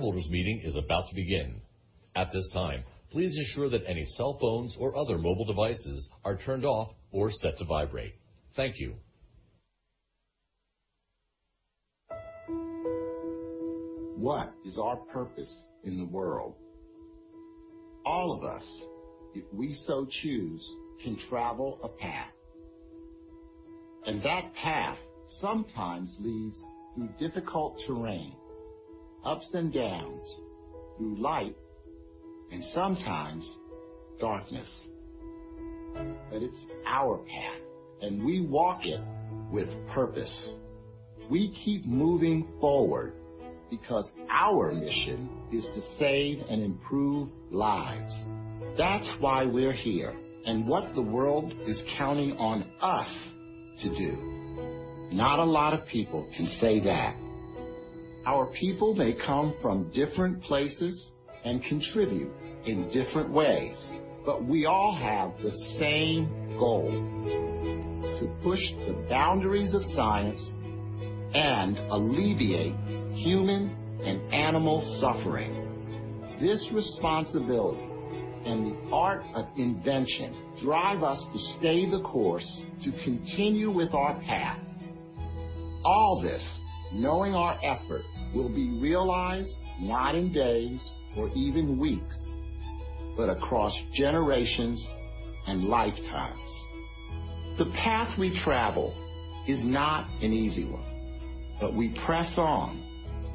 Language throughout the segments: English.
Shareholders meeting is about to begin. At this time, please ensure that any cell phones or other mobile devices are turned off or set to vibrate. Thank you. What is our purpose in the world? All of us, if we so choose, can travel a path. That path sometimes leads through difficult terrain, ups and downs, through light and sometimes darkness. It's our path, and we walk it with purpose. We keep moving forward because our mission is to save and improve lives. That's why we're here and what the world is counting on us to do. Not a lot of people can say that. Our people may come from different places and contribute in different ways, but we all have the same goal, to push the boundaries of science and alleviate human and animal suffering. This responsibility and the art of invention drive us to stay the course, to continue with our path. All this, knowing our effort will be realized not in days or even weeks, but across generations and lifetimes. The path we travel is not an easy one. We press on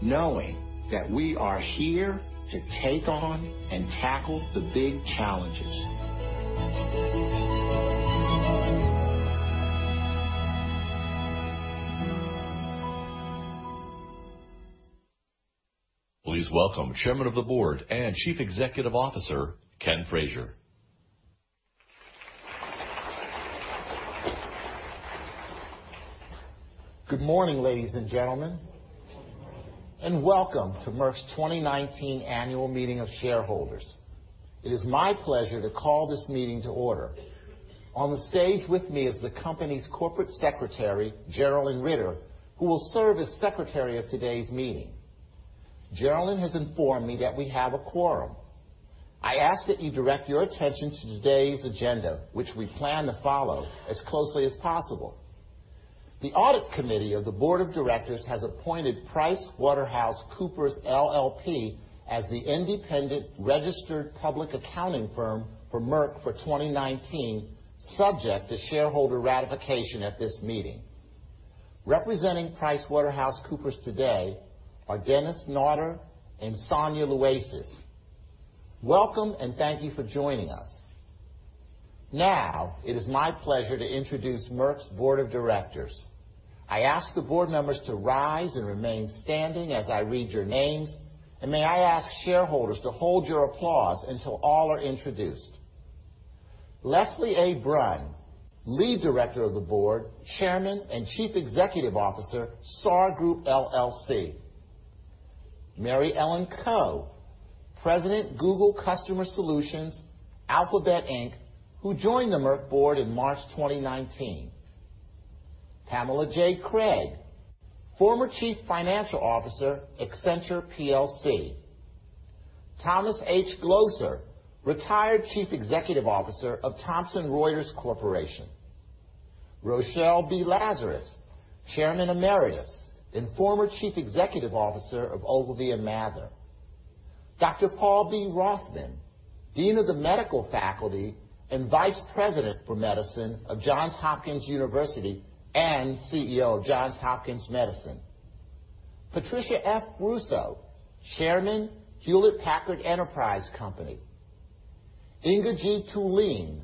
knowing that we are here to take on and tackle the big challenges. Please welcome Chairman of the Board and Chief Executive Officer, Ken Frazier. Good morning, ladies and gentlemen. Good morning. Welcome to Merck's 2019 Annual Meeting of Shareholders. It is my pleasure to call this meeting to order. On the stage with me is the company's corporate secretary, Geralyn Ritter, who will serve as secretary of today's meeting. Geralyn has informed me that we have a quorum. I ask that you direct your attention to today's agenda, which we plan to follow as closely as possible. The Audit Committee of the Board of Directors has appointed PricewaterhouseCoopers LLP as the independent registered public accounting firm for Merck for 2019, subject to shareholder ratification at this meeting. Representing PricewaterhouseCoopers today are [Denis Naughter] and Sonia Luaces. Welcome, and thank you for joining us. It is my pleasure to introduce Merck's Board of Directors. I ask the board members to rise and remain standing as I read your names. May I ask shareholders to hold your applause until all are introduced. Leslie A. Brun, Lead Director of the Board, Chairman and Chief Executive Officer, Sarr Group, LLC. Mary Ellen Coe, President, Google Customer Solutions, Alphabet, Inc., who joined the Merck board in March 2019. Pamela J. Craig, former Chief Financial Officer, Accenture plc. Thomas H. Glocer, retired Chief Executive Officer of Thomson Reuters Corporation. Rochelle B. Lazarus, Chairman Emeritus and former Chief Executive Officer of Ogilvy & Mather. Dr. Paul B. Rothman, Dean of the Medical Faculty and Vice President for Medicine of Johns Hopkins University and CEO of Johns Hopkins Medicine. Patricia F. Russo, Chairman, Hewlett Packard Enterprise. Inge G. Thulin,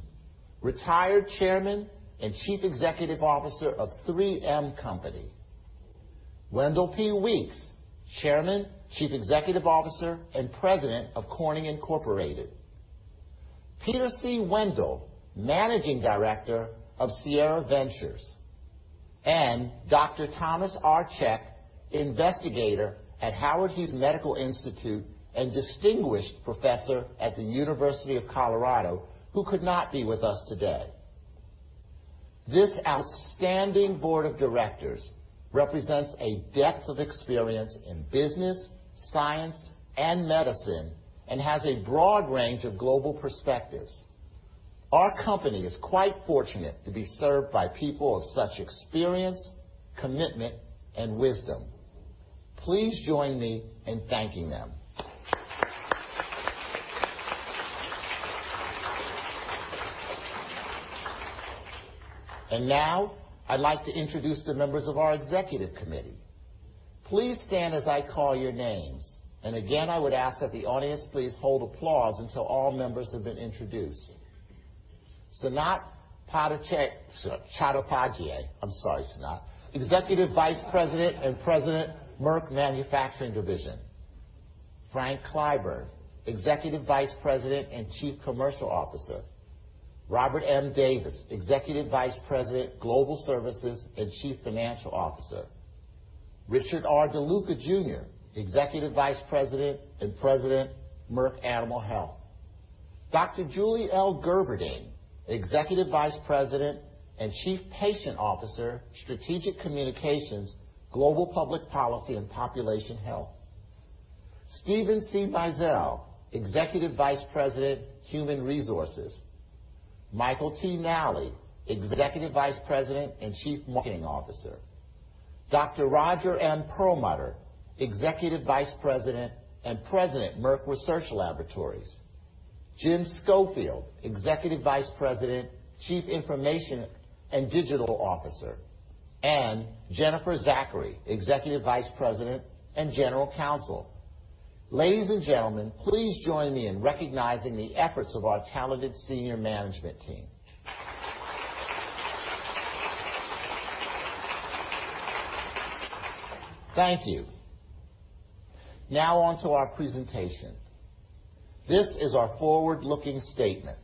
retired Chairman and Chief Executive Officer of 3M Company. Wendell P. Weeks, Chairman, Chief Executive Officer, and President of Corning Incorporated. Peter C. Wendell, Managing Director of Sierra Ventures. Dr. Thomas R. Cech, investigator at Howard Hughes Medical Institute and distinguished professor at the University of Colorado, who could not be with us today. This outstanding board of directors represents a depth of experience in business, science, and medicine and has a broad range of global perspectives. Our company is quite fortunate to be served by people of such experience, commitment, and wisdom. Please join me in thanking them. Now I'd like to introduce the members of our executive committee. Please stand as I call your names. And again, I would ask that the audience please hold applause until all members have been introduced. Sanat Chattopadhyay, I'm sorry, Sanat, Executive Vice President and President, Merck Manufacturing Division. Frank Clyburn, Executive Vice President and Chief Commercial Officer. Robert M. Davis, Executive Vice President, Global Services and Chief Financial Officer. Richard R. DeLuca Jr., Executive Vice President and President, Merck Animal Health. Dr. Julie L. Gerberding, Executive Vice President and Chief Patient Officer, Strategic Communications, Global Public Policy and Population Health. Stephen C. Maisel, Executive Vice President, Human Resources. Michael T. Nally, Executive Vice President and Chief Marketing Officer. Dr. Roger M. Perlmutter, Executive Vice President and President, Merck Research Laboratories. James Schofield, Executive Vice President, Chief Information and Digital Officer. And Jennifer Zachary, Executive Vice President and General Counsel. Ladies and gentlemen, please join me in recognizing the efforts of our talented senior management team. Thank you. Now on to our presentation. This is our forward-looking statement.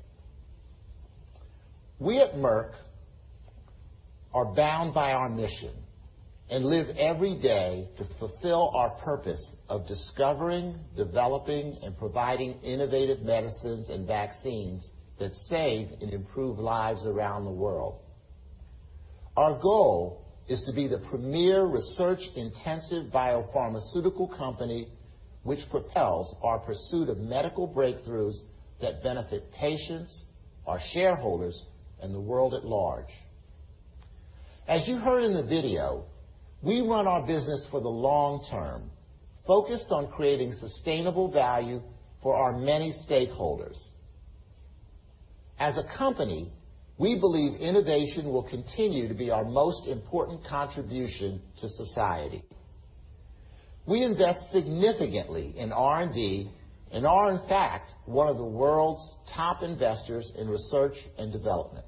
We at Merck are bound by our mission and live every day to fulfill our purpose of discovering, developing, and providing innovative medicines and vaccines that save and improve lives around the world. Our goal is to be the premier research-intensive biopharmaceutical company, which propels our pursuit of medical breakthroughs that benefit patients, our shareholders, and the world at large. As you heard in the video, we run our business for the long term, focused on creating sustainable value for our many stakeholders. As a company, we believe innovation will continue to be our most important contribution to society. We invest significantly in R&D and are, in fact, one of the world's top investors in research and development.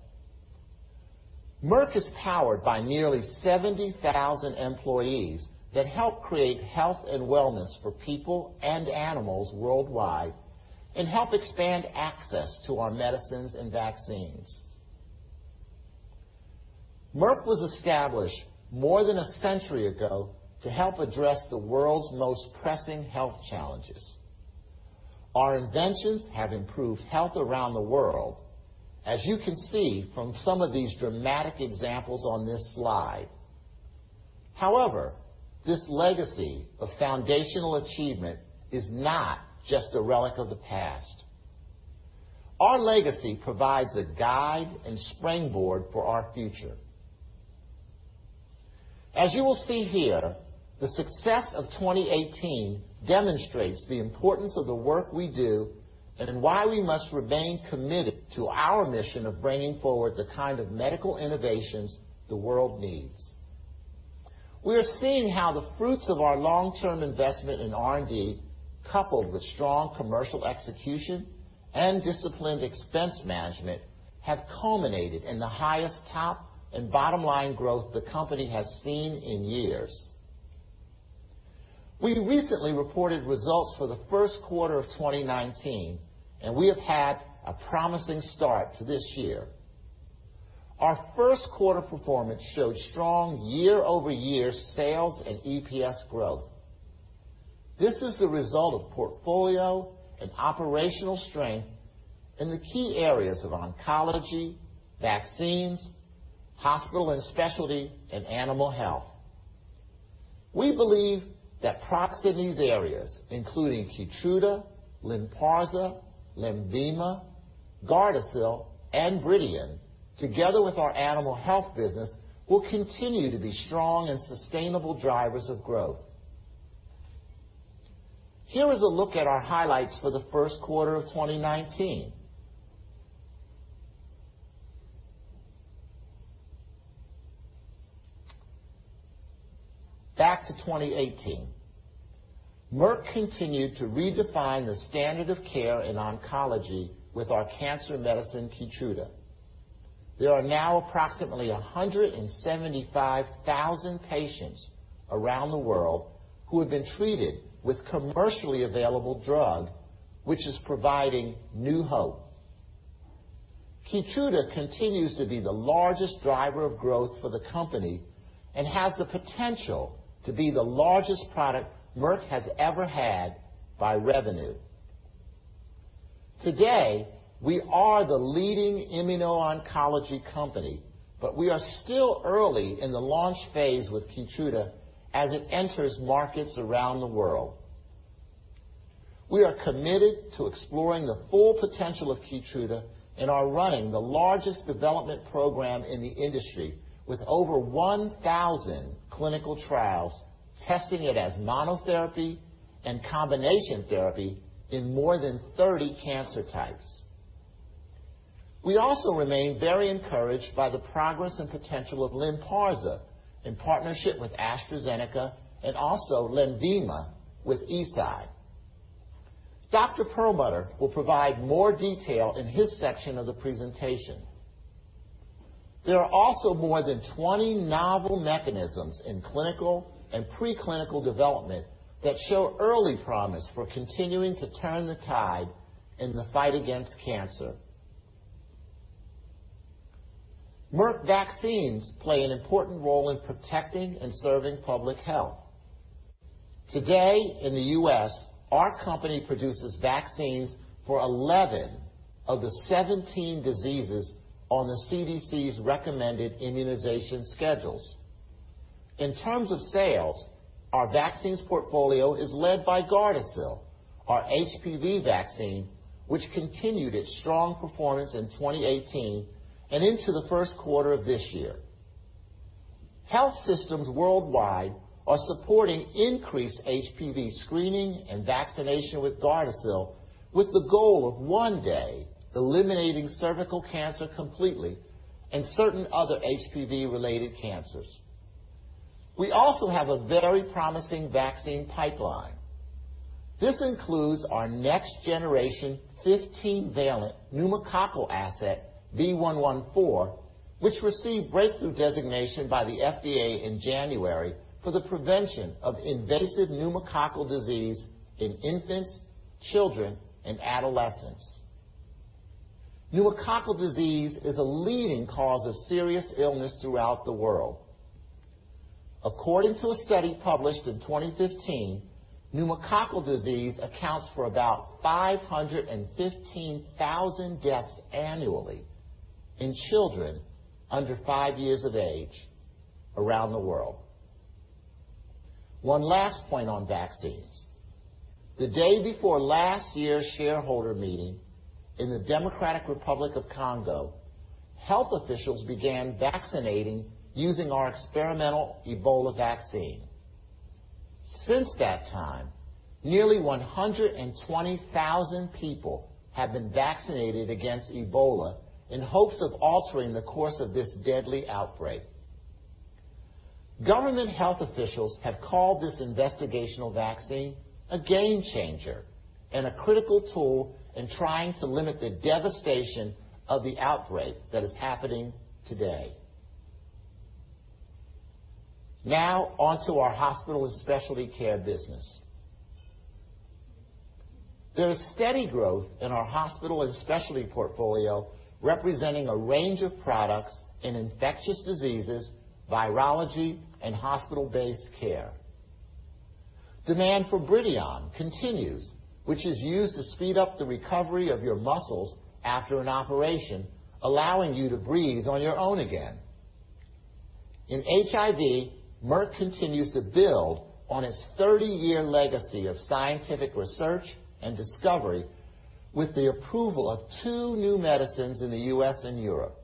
Merck is powered by nearly 70,000 employees that help create health and wellness for people and animals worldwide and help expand access to our medicines and vaccines. Merck was established more than a century ago to help address the world's most pressing health challenges. Our inventions have improved health around the world, as you can see from some of these dramatic examples on this slide. This legacy of foundational achievement is not just a relic of the past. Our legacy provides a guide and springboard for our future. As you will see here, the success of 2018 demonstrates the importance of the work we do and why we must remain committed to our mission of bringing forward the kind of medical innovations the world needs. We are seeing how the fruits of our long-term investment in R&D, coupled with strong commercial execution and disciplined expense management, have culminated in the highest top and bottom line growth the company has seen in years. We recently reported results for the first quarter of 2019. We have had a promising start to this year. Our first-quarter performance showed strong year-over-year sales and EPS growth. This is the result of portfolio and operational strength in the key areas of oncology, vaccines, hospital and specialty, and animal health. We believe that products in these areas, including KEYTRUDA, LYNPARZA, LENVIMA, GARDASIL, and BRIDION, together with our animal health business, will continue to be strong and sustainable drivers of growth. Here is a look at our highlights for the first quarter of 2019. Back to 2018. Merck continued to redefine the standard of care in oncology with our cancer medicine, KEYTRUDA. There are now approximately 175,000 patients around the world who have been treated with commercially available drug, which is providing new hope. KEYTRUDA continues to be the largest driver of growth for the company and has the potential to be the largest product Merck has ever had by revenue. Today, we are the leading immuno-oncology company, but we are still early in the launch phase with KEYTRUDA as it enters markets around the world. We are committed to exploring the full potential of KEYTRUDA and are running the largest development program in the industry with over 1,000 clinical trials testing it as monotherapy and combination therapy in more than 30 cancer types. We also remain very encouraged by the progress and potential of LYNPARZA in partnership with AstraZeneca and also LENVIMA with Eisai. Dr. Perlmutter will provide more detail in his section of the presentation. There are also more than 20 novel mechanisms in clinical and pre-clinical development that show early promise for continuing to turn the tide in the fight against cancer. Merck vaccines play an important role in protecting and serving public health. Today, in the U.S., our company produces vaccines for 11 of the 17 diseases on the CDC's recommended immunization schedules. In terms of sales, our vaccines portfolio is led by GARDASIL, our HPV vaccine, which continued its strong performance in 2018 and into the first quarter of this year. Health systems worldwide are supporting increased HPV screening and vaccination with GARDASIL, with the goal of one day eliminating cervical cancer completely and certain other HPV-related cancers. We also have a very promising vaccine pipeline. This includes our next-generation 15-valent pneumococcal asset, V114, which received breakthrough designation by the FDA in January for the prevention of invasive pneumococcal disease in infants, children, and adolescents. Pneumococcal disease is a leading cause of serious illness throughout the world. According to a study published in 2015, pneumococcal disease accounts for about 515,000 deaths annually in children under five years of age around the world. One last point on vaccines. The day before last year's shareholder meeting, in the Democratic Republic of Congo, health officials began vaccinating using our experimental Ebola vaccine. Since that time, nearly 120,000 people have been vaccinated against Ebola in hopes of altering the course of this deadly outbreak. Government health officials have called this investigational vaccine a game changer and a critical tool in trying to limit the devastation of the outbreak that is happening today. Now, on to our hospital and specialty care business. There is steady growth in our hospital and specialty portfolio, representing a range of products in infectious diseases, virology, and hospital-based care. Demand for BRIDION continues, which is used to speed up the recovery of your muscles after an operation, allowing you to breathe on your own again. In HIV, Merck continues to build on its 30-year legacy of scientific research and discovery with the approval of two new medicines in the U.S. and Europe.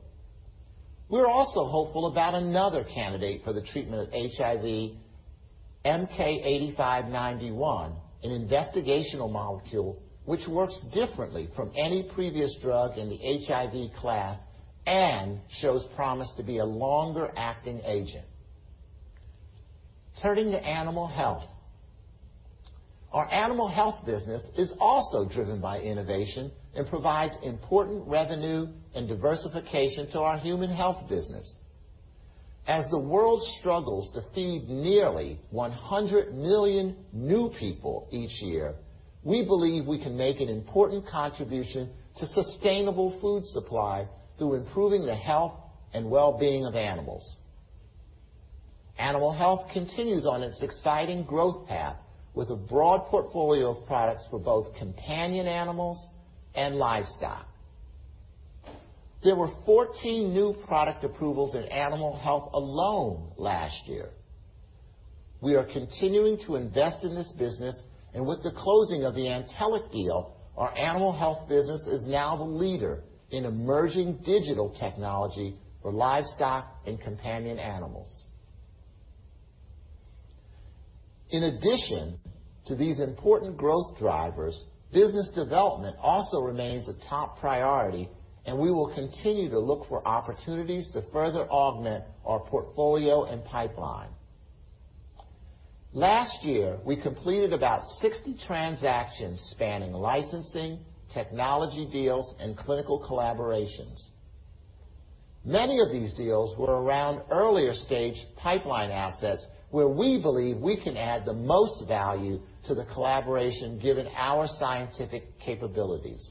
We're also hopeful about another candidate for the treatment of HIV, MK-8591, an investigational molecule which works differently from any previous drug in the HIV class and shows promise to be a longer-acting agent. Turning to animal health. Our animal health business is also driven by innovation and provides important revenue and diversification to our human health business. As the world struggles to feed nearly 100 million new people each year, we believe we can make an important contribution to sustainable food supply through improving the health and well-being of animals. Animal health continues on its exciting growth path with a broad portfolio of products for both companion animals and livestock. There were 14 new product approvals in animal health alone last year. We are continuing to invest in this business, with the closing of the Antelliq deal, our animal health business is now the leader in emerging digital technology for livestock and companion animals. In addition to these important growth drivers, business development also remains a top priority, we will continue to look for opportunities to further augment our portfolio and pipeline. Last year, we completed about 60 transactions spanning licensing, technology deals, and clinical collaborations. Many of these deals were around earlier-stage pipeline assets where we believe we can add the most value to the collaboration given our scientific capabilities.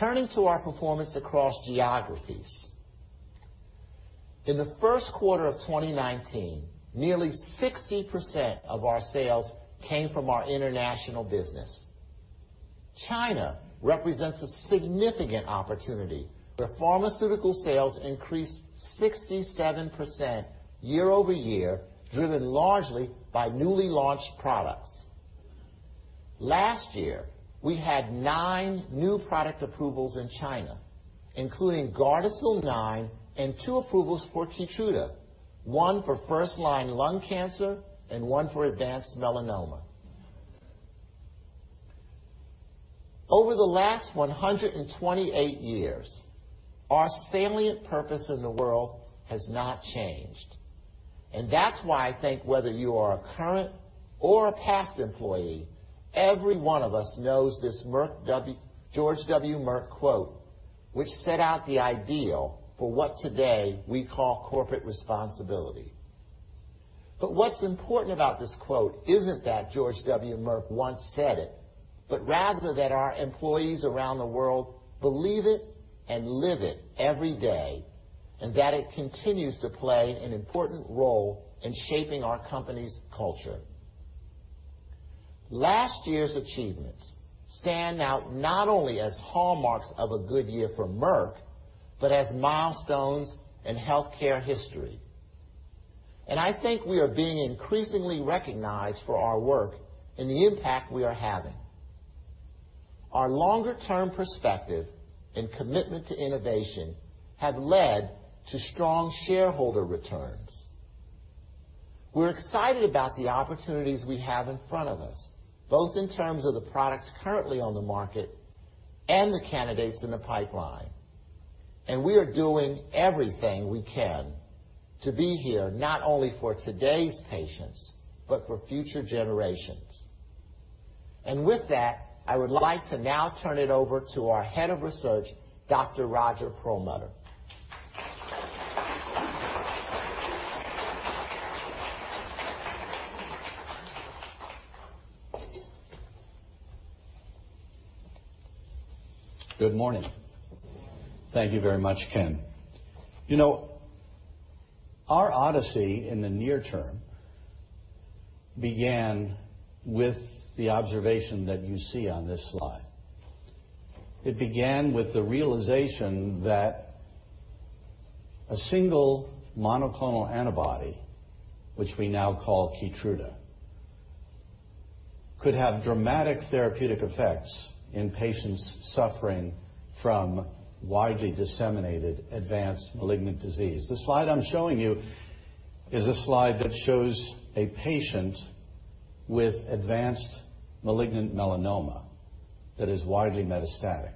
Turning to our performance across geographies. In the first quarter of 2019, nearly 60% of our sales came from our international business. China represents a significant opportunity, where pharmaceutical sales increased 67% year-over-year, driven largely by newly launched products. Last year, we had nine new product approvals in China, including GARDASIL 9 and two approvals for KEYTRUDA, one for first-line lung cancer and one for advanced melanoma. Over the last 128 years, our salient purpose in the world has not changed, that's why I think whether you are a current or a past employee, every one of us knows this George W. Merck quote, which set out the ideal for what today we call corporate responsibility. What's important about this quote isn't that George W. Merck once said it, but rather that our employees around the world believe it and live it every day, that it continues to play an important role in shaping our company's culture. Last year's achievements stand out not only as hallmarks of a good year for Merck, but as milestones in healthcare history. I think we are being increasingly recognized for our work and the impact we are having. Our longer-term perspective and commitment to innovation have led to strong shareholder returns. We're excited about the opportunities we have in front of us, both in terms of the products currently on the market and the candidates in the pipeline. We are doing everything we can to be here not only for today's patients, but for future generations. With that, I would like to now turn it over to our Head of Research, Dr. Roger M. Perlmutter. Good morning. Good morning. Thank you very much, Ken. Our odyssey in the near term began with the observation that you see on this slide. It began with the realization that a single monoclonal antibody, which we now call KEYTRUDA, could have dramatic therapeutic effects in patients suffering from widely disseminated advanced malignant disease. The slide I'm showing you is a slide that shows a patient with advanced malignant melanoma that is widely metastatic.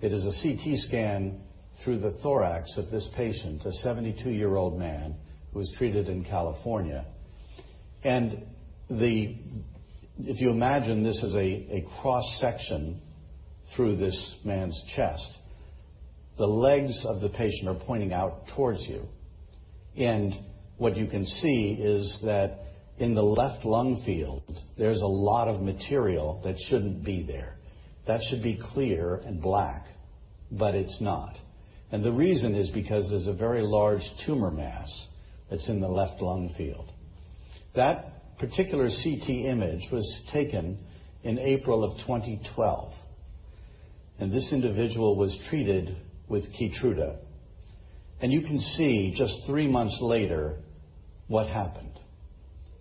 It is a CT scan through the thorax of this patient, a 72-year-old man who was treated in California. If you imagine this is a cross-section through this man's chest, the legs of the patient are pointing out towards you. What you can see is that in the left lung field, there's a lot of material that shouldn't be there. That should be clear and black, but it's not. The reason is because there's a very large tumor mass that's in the left lung field. That particular CT image was taken in April of 2012, and this individual was treated with KEYTRUDA. You can see just three months later what happened.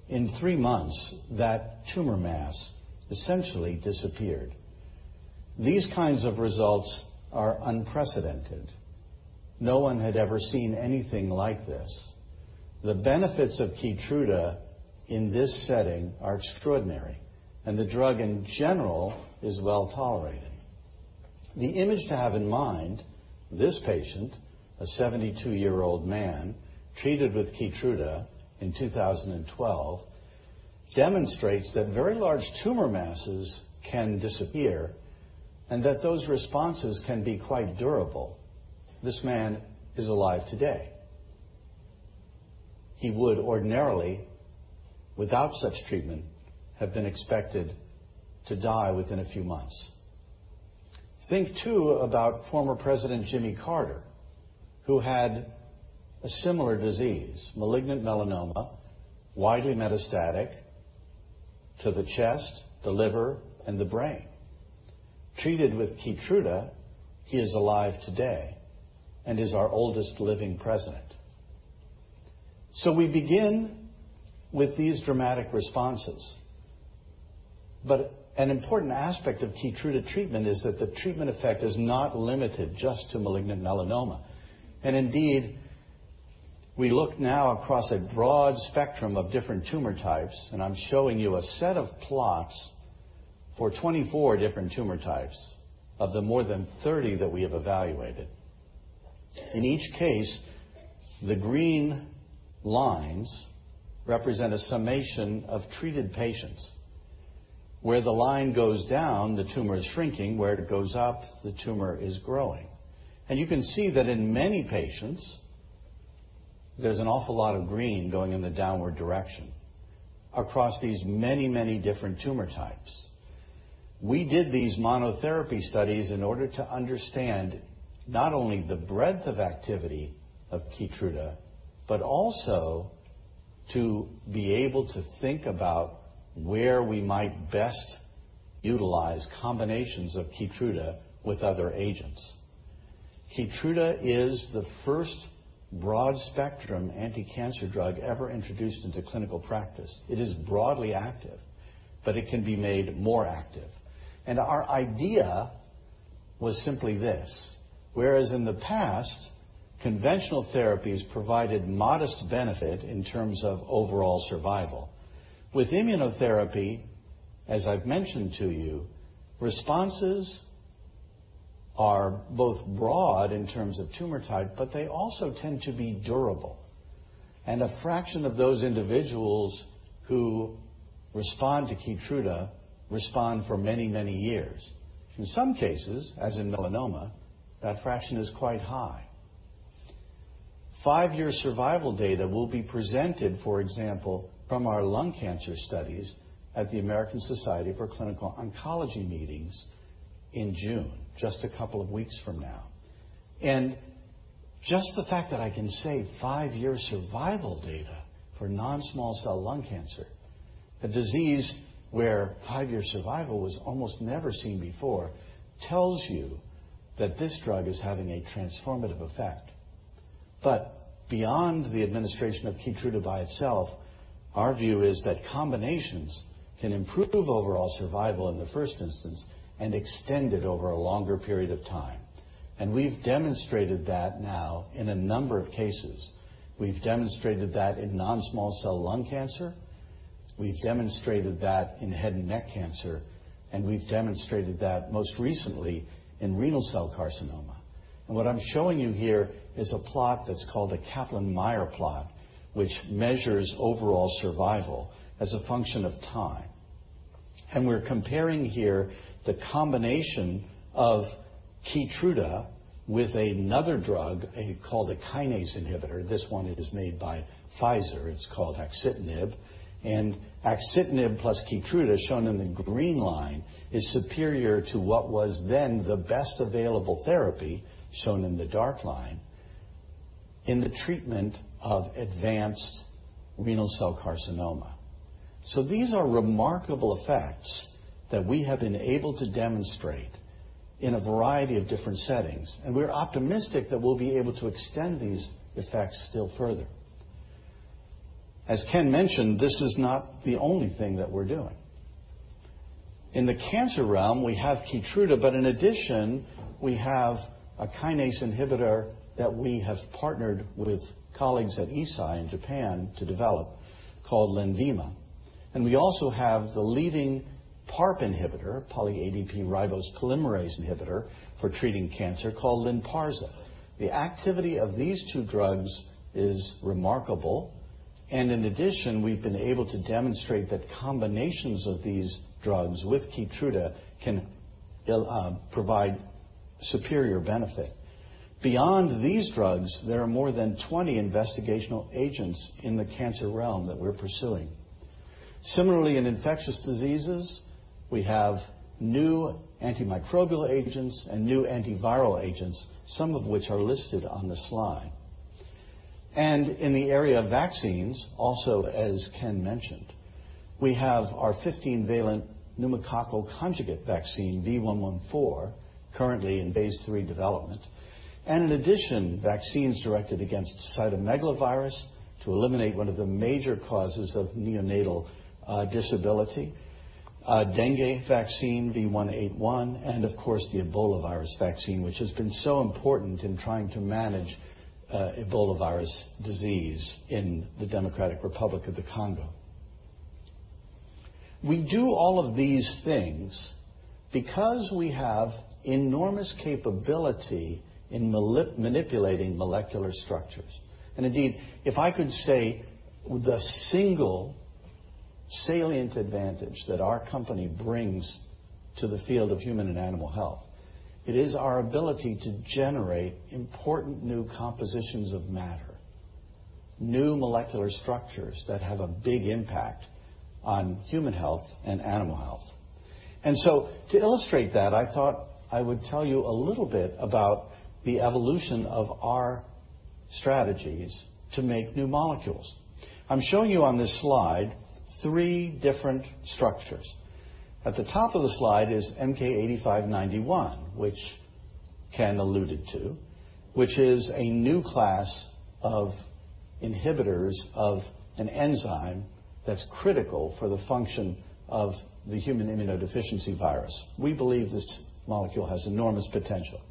In three months, that tumor mass essentially disappeared. These kinds of results are unprecedented. No one had ever seen anything like this. The benefits of KEYTRUDA in this setting are extraordinary, and the drug, in general, is well-tolerated. The image to have in mind, this patient, a 72-year-old man treated with KEYTRUDA in 2012, demonstrates that very large tumor masses can disappear, and that those responses can be quite durable. This man is alive today. He would ordinarily, without such treatment, have been expected to die within a few months. Think, too, about former President Jimmy Carter, who had a similar disease, malignant melanoma, widely metastatic to the chest, the liver, and the brain. Treated with KEYTRUDA, he is alive today and is our oldest living president. We begin with these dramatic responses. An important aspect of KEYTRUDA treatment is that the treatment effect is not limited just to malignant melanoma. Indeed, we look now across a broad spectrum of different tumor types, and I'm showing you a set of plots for 24 different tumor types of the more than 30 that we have evaluated. In each case, the green lines represent a summation of treated patients. Where the line goes down, the tumor is shrinking. Where it goes up, the tumor is growing. You can see that in many patients, there's an awful lot of green going in the downward direction across these many, many different tumor types. We did these monotherapy studies in order to understand not only the breadth of activity of KEYTRUDA, but also to be able to think about where we might best utilize combinations of KEYTRUDA with other agents. KEYTRUDA is the first broad-spectrum anti-cancer drug ever introduced into clinical practice. It is broadly active, but it can be made more active. Our idea was simply this: whereas in the past, conventional therapies provided modest benefit in terms of overall survival, with immunotherapy, as I've mentioned to you, responses are both broad in terms of tumor type, but they also tend to be durable. A fraction of those individuals Respond to KEYTRUDA, respond for many, many years. In some cases, as in melanoma, that fraction is quite high. Five-year survival data will be presented, for example, from our lung cancer studies at the American Society of Clinical Oncology meetings in June, just a couple of weeks from now. Just the fact that I can say five-year survival data for non-small cell lung cancer, a disease where five-year survival was almost never seen before, tells you that this drug is having a transformative effect. Beyond the administration of KEYTRUDA by itself, our view is that combinations can improve overall survival in the first instance and extend it over a longer period of time. We've demonstrated that now in a number of cases. We've demonstrated that in non-small cell lung cancer, we've demonstrated that in head and neck cancer, and we've demonstrated that most recently in renal cell carcinoma. What I'm showing you here is a plot that's called a Kaplan-Meier plot, which measures overall survival as a function of time. We're comparing here the combination of KEYTRUDA with another drug called a kinase inhibitor. This one is made by Pfizer. It's called axitinib. axitinib plus KEYTRUDA, shown in the green line, is superior to what was then the best available therapy, shown in the dark line, in the treatment of advanced renal cell carcinoma. These are remarkable effects that we have been able to demonstrate in a variety of different settings, and we're optimistic that we'll be able to extend these effects still further. As Ken mentioned, this is not the only thing that we're doing. In the cancer realm, we have KEYTRUDA, but in addition, we have a kinase inhibitor that we have partnered with colleagues at Eisai in Japan to develop, called LENVIMA. We also have the leading PARP inhibitor, poly ADP-ribose polymerase inhibitor, for treating cancer called LYNPARZA. The activity of these two drugs is remarkable. In addition, we've been able to demonstrate that combinations of these drugs with KEYTRUDA can provide superior benefit. Beyond these drugs, there are more than 20 investigational agents in the cancer realm that we're pursuing. Similarly, in infectious diseases, we have new antimicrobial agents and new antiviral agents, some of which are listed on the slide. In the area of vaccines, also as Ken mentioned, we have our 15 valent pneumococcal conjugate vaccine, V114, currently in phase III development. In addition, vaccines directed against cytomegalovirus to eliminate one of the major causes of neonatal disability, dengue vaccine V181, and of course, the Ebola virus vaccine, which has been so important in trying to manage Ebola virus disease in the Democratic Republic of the Congo. We do all of these things because we have enormous capability in manipulating molecular structures. Indeed, if I could say the single salient advantage that our company brings to the field of human and animal health, it is our ability to generate important new compositions of matter, new molecular structures that have a big impact on human health and animal health. To illustrate that, I thought I would tell you a little bit about the evolution of our strategies to make new molecules. I'm showing you on this slide three different structures. At the top of the slide is MK-8591, which Ken alluded to, which is a new class of inhibitors of an enzyme that's critical for the function of the human immunodeficiency virus. We believe this molecule has enormous potential.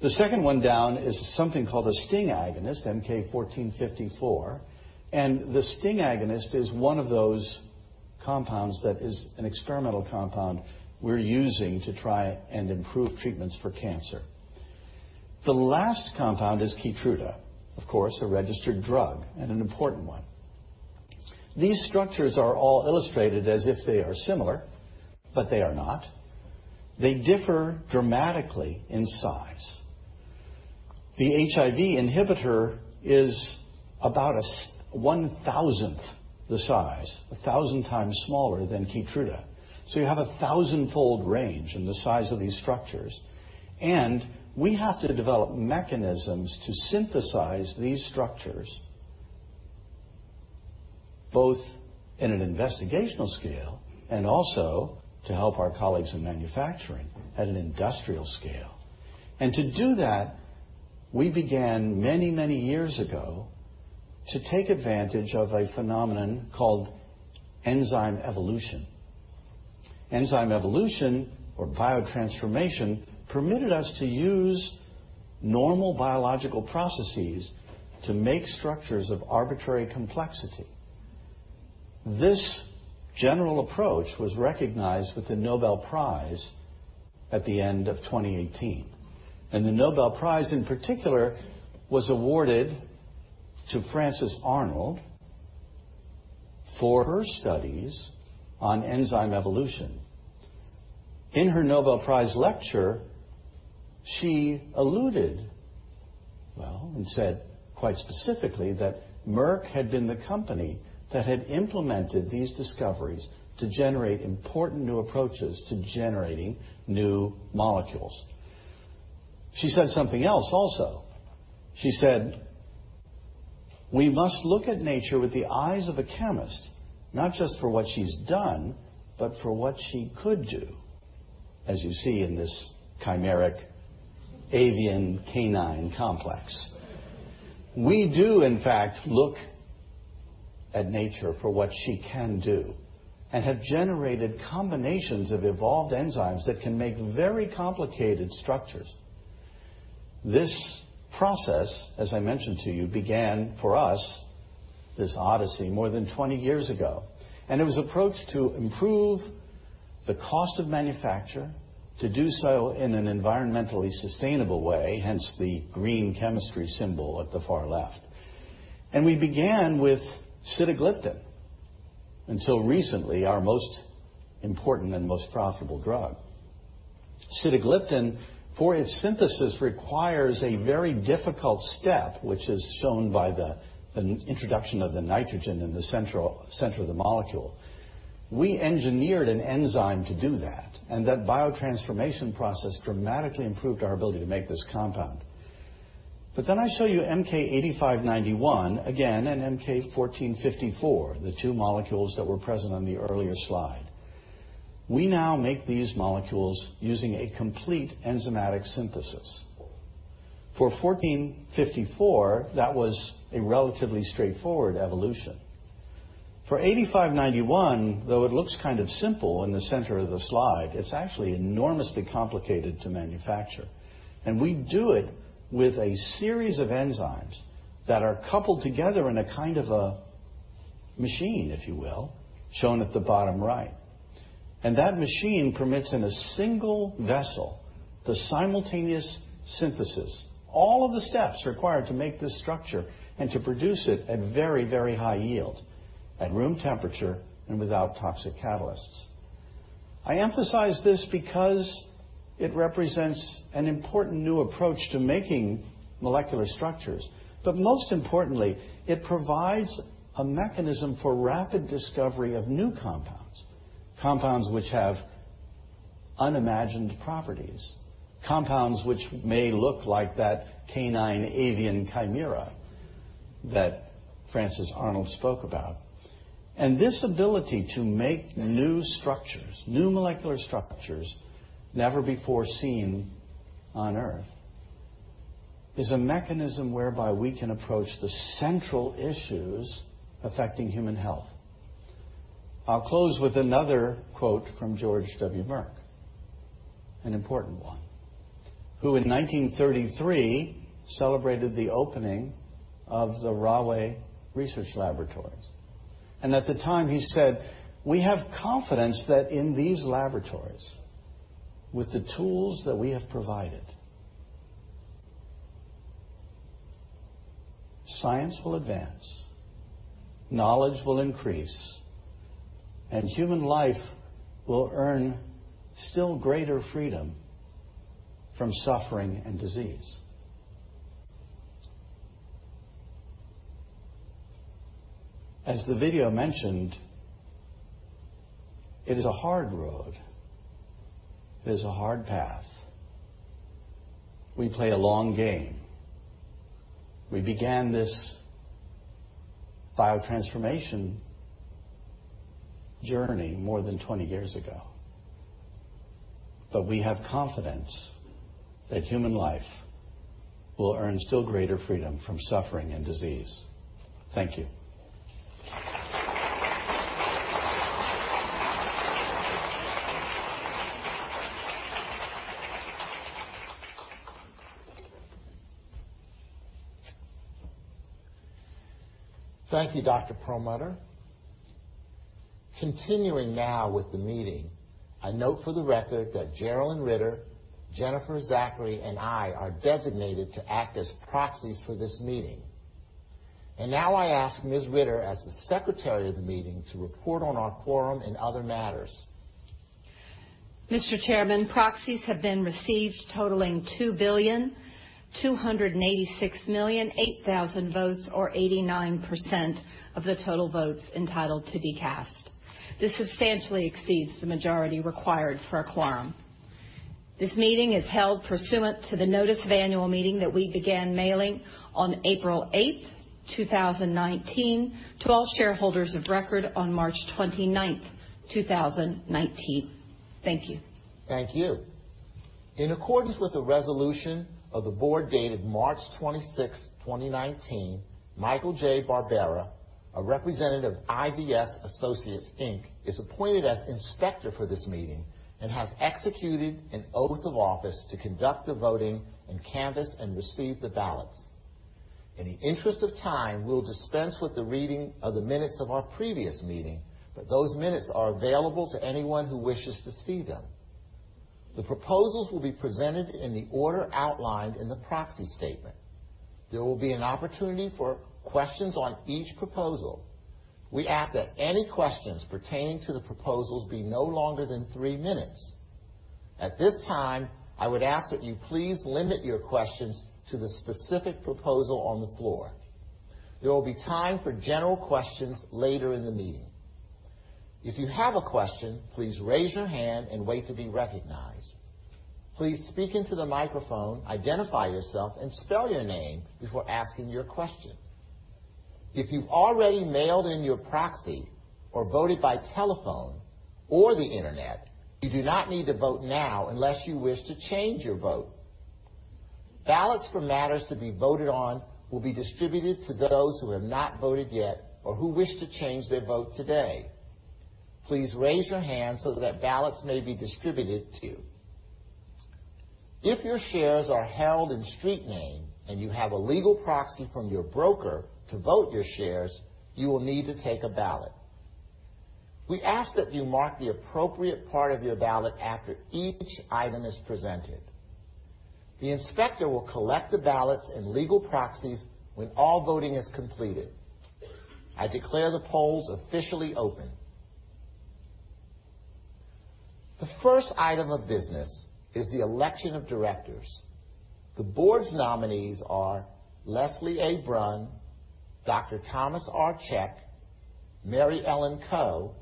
The second one down is something called a STING agonist, MK-1454. The STING agonist is one of those compounds that is an experimental compound we're using to try and improve treatments for cancer. The last compound is KEYTRUDA, of course, a registered drug and an important one. These structures are all illustrated as if they are similar, but they are not. They differ dramatically in size. The HIV inhibitor is about 1,000th the size, a thousand times smaller than KEYTRUDA. You have a thousandfold range in the size of these structures. We have to develop mechanisms to synthesize these structures both in an investigational scale and also to help our colleagues in manufacturing at an industrial scale. To do that, we began many, many years ago to take advantage of a phenomenon called enzyme evolution. Enzyme evolution or biotransformation permitted us to use normal biological processes to make structures of arbitrary complexity. This general approach was recognized with the Nobel Prize at the end of 2018. The Nobel Prize, in particular, was awarded to Frances Arnold for her studies on enzyme evolution. In her Nobel Prize lecture, she alluded well and said quite specifically that Merck had been the company that had implemented these discoveries to generate important new approaches to generating new molecules. She said something else also. She said, "We must look at nature with the eyes of a chemist, not just for what she has done, but for what she could do," as you see in this chimeric avian canine complex. We do, in fact, look at nature for what she can do and have generated combinations of evolved enzymes that can make very complicated structures. This process, as I mentioned to you, began for us, this odyssey, more than 20 years ago. It was approached to improve the cost of manufacture to do so in an environmentally sustainable way, hence the green chemistry symbol at the far left. We began with sitagliptin, until recently, our most important and most profitable drug. sitagliptin, for its synthesis, requires a very difficult step, which is shown by the introduction of the nitrogen in the center of the molecule. We engineered an enzyme to do that biotransformation process dramatically improved our ability to make this compound. I show you MK-8591 again and MK-1454, the two molecules that were present on the earlier slide. We now make these molecules using a complete enzymatic synthesis. For 1454, that was a relatively straightforward evolution. For 8591, though it looks kind of simple in the center of the slide, it is actually enormously complicated to manufacture. We do it with a series of enzymes that are coupled together in a kind of a machine, if you will, shown at the bottom right. That machine permits, in a single vessel, the simultaneous synthesis, all of the steps required to make this structure and to produce it at very high yield, at room temperature, and without toxic catalysts. I emphasize this because it represents an important new approach to making molecular structures. Most importantly, it provides a mechanism for rapid discovery of new compounds which have unimagined properties, compounds which may look like that canine-avian chimera that Frances Arnold spoke about. This ability to make new structures, new molecular structures never before seen on Earth, is a mechanism whereby we can approach the central issues affecting human health. I will close with another quote from George W. Merck, an important one, who in 1933 celebrated the opening of the Rahway Research Laboratories. At the time, he said, "We have confidence that in these laboratories, with the tools that we have provided, science will advance, knowledge will increase, and human life will earn still greater freedom from suffering and disease." As the video mentioned, it is a hard road. It is a hard path. We play a long game. We began this biotransformation journey more than 20 years ago. We have confidence that human life will earn still greater freedom from suffering and disease. Thank you. Thank you, Dr. Roger M. Perlmutter. Continuing now with the meeting, a note for the record that Geralyn S. Ritter, Jennifer Zachary, and I are designated to act as proxies for this meeting. Now I ask Ms. Ritter, as the secretary of the meeting, to report on our quorum and other matters. Mr. Chairman, proxies have been received totaling 2,286,008,000 votes or 89% of the total votes entitled to be cast. This substantially exceeds the majority required for a quorum. This meeting is held pursuant to the notice of annual meeting that we began mailing on April 8th, 2019, to all shareholders of record on March 29th, 2019. Thank you. Thank you. In accordance with the resolution of the board dated March 26, 2019, Michael J. Barbera, a representative of IVS Associates, Inc., is appointed as inspector for this meeting and has executed an oath of office to conduct the voting and canvass and receive the ballots. In the interest of time, we will dispense with the reading of the minutes of our previous meeting, but those minutes are available to anyone who wishes to see them. The proposals will be presented in the order outlined in the proxy statement. There will be an opportunity for questions on each proposal. We ask that any questions pertaining to the proposals be no longer than three minutes. At this time, I would ask that you please limit your questions to the specific proposal on the floor. There will be time for general questions later in the meeting. If you have a question, please raise your hand and wait to be recognized. Please speak into the microphone, identify yourself, and spell your name before asking your question. If you have already mailed in your proxy or voted by telephone or the internet, you do not need to vote now unless you wish to change your vote. Ballots for matters to be voted on will be distributed to those who have not voted yet or who wish to change your vote today. Please raise your hand so that ballots may be distributed to you. If your shares are held in street name and you have a legal proxy from your broker to vote your shares, you will need to take a ballot. We ask that you mark the appropriate part of your ballot after each item is presented. The inspector will collect the ballots and legal proxies when all voting is completed. I declare the polls officially open. The first item of business is the election of directors. The board's nominees are Leslie A. Brun, Dr. Thomas R. Cech, Mary Ellen Coe,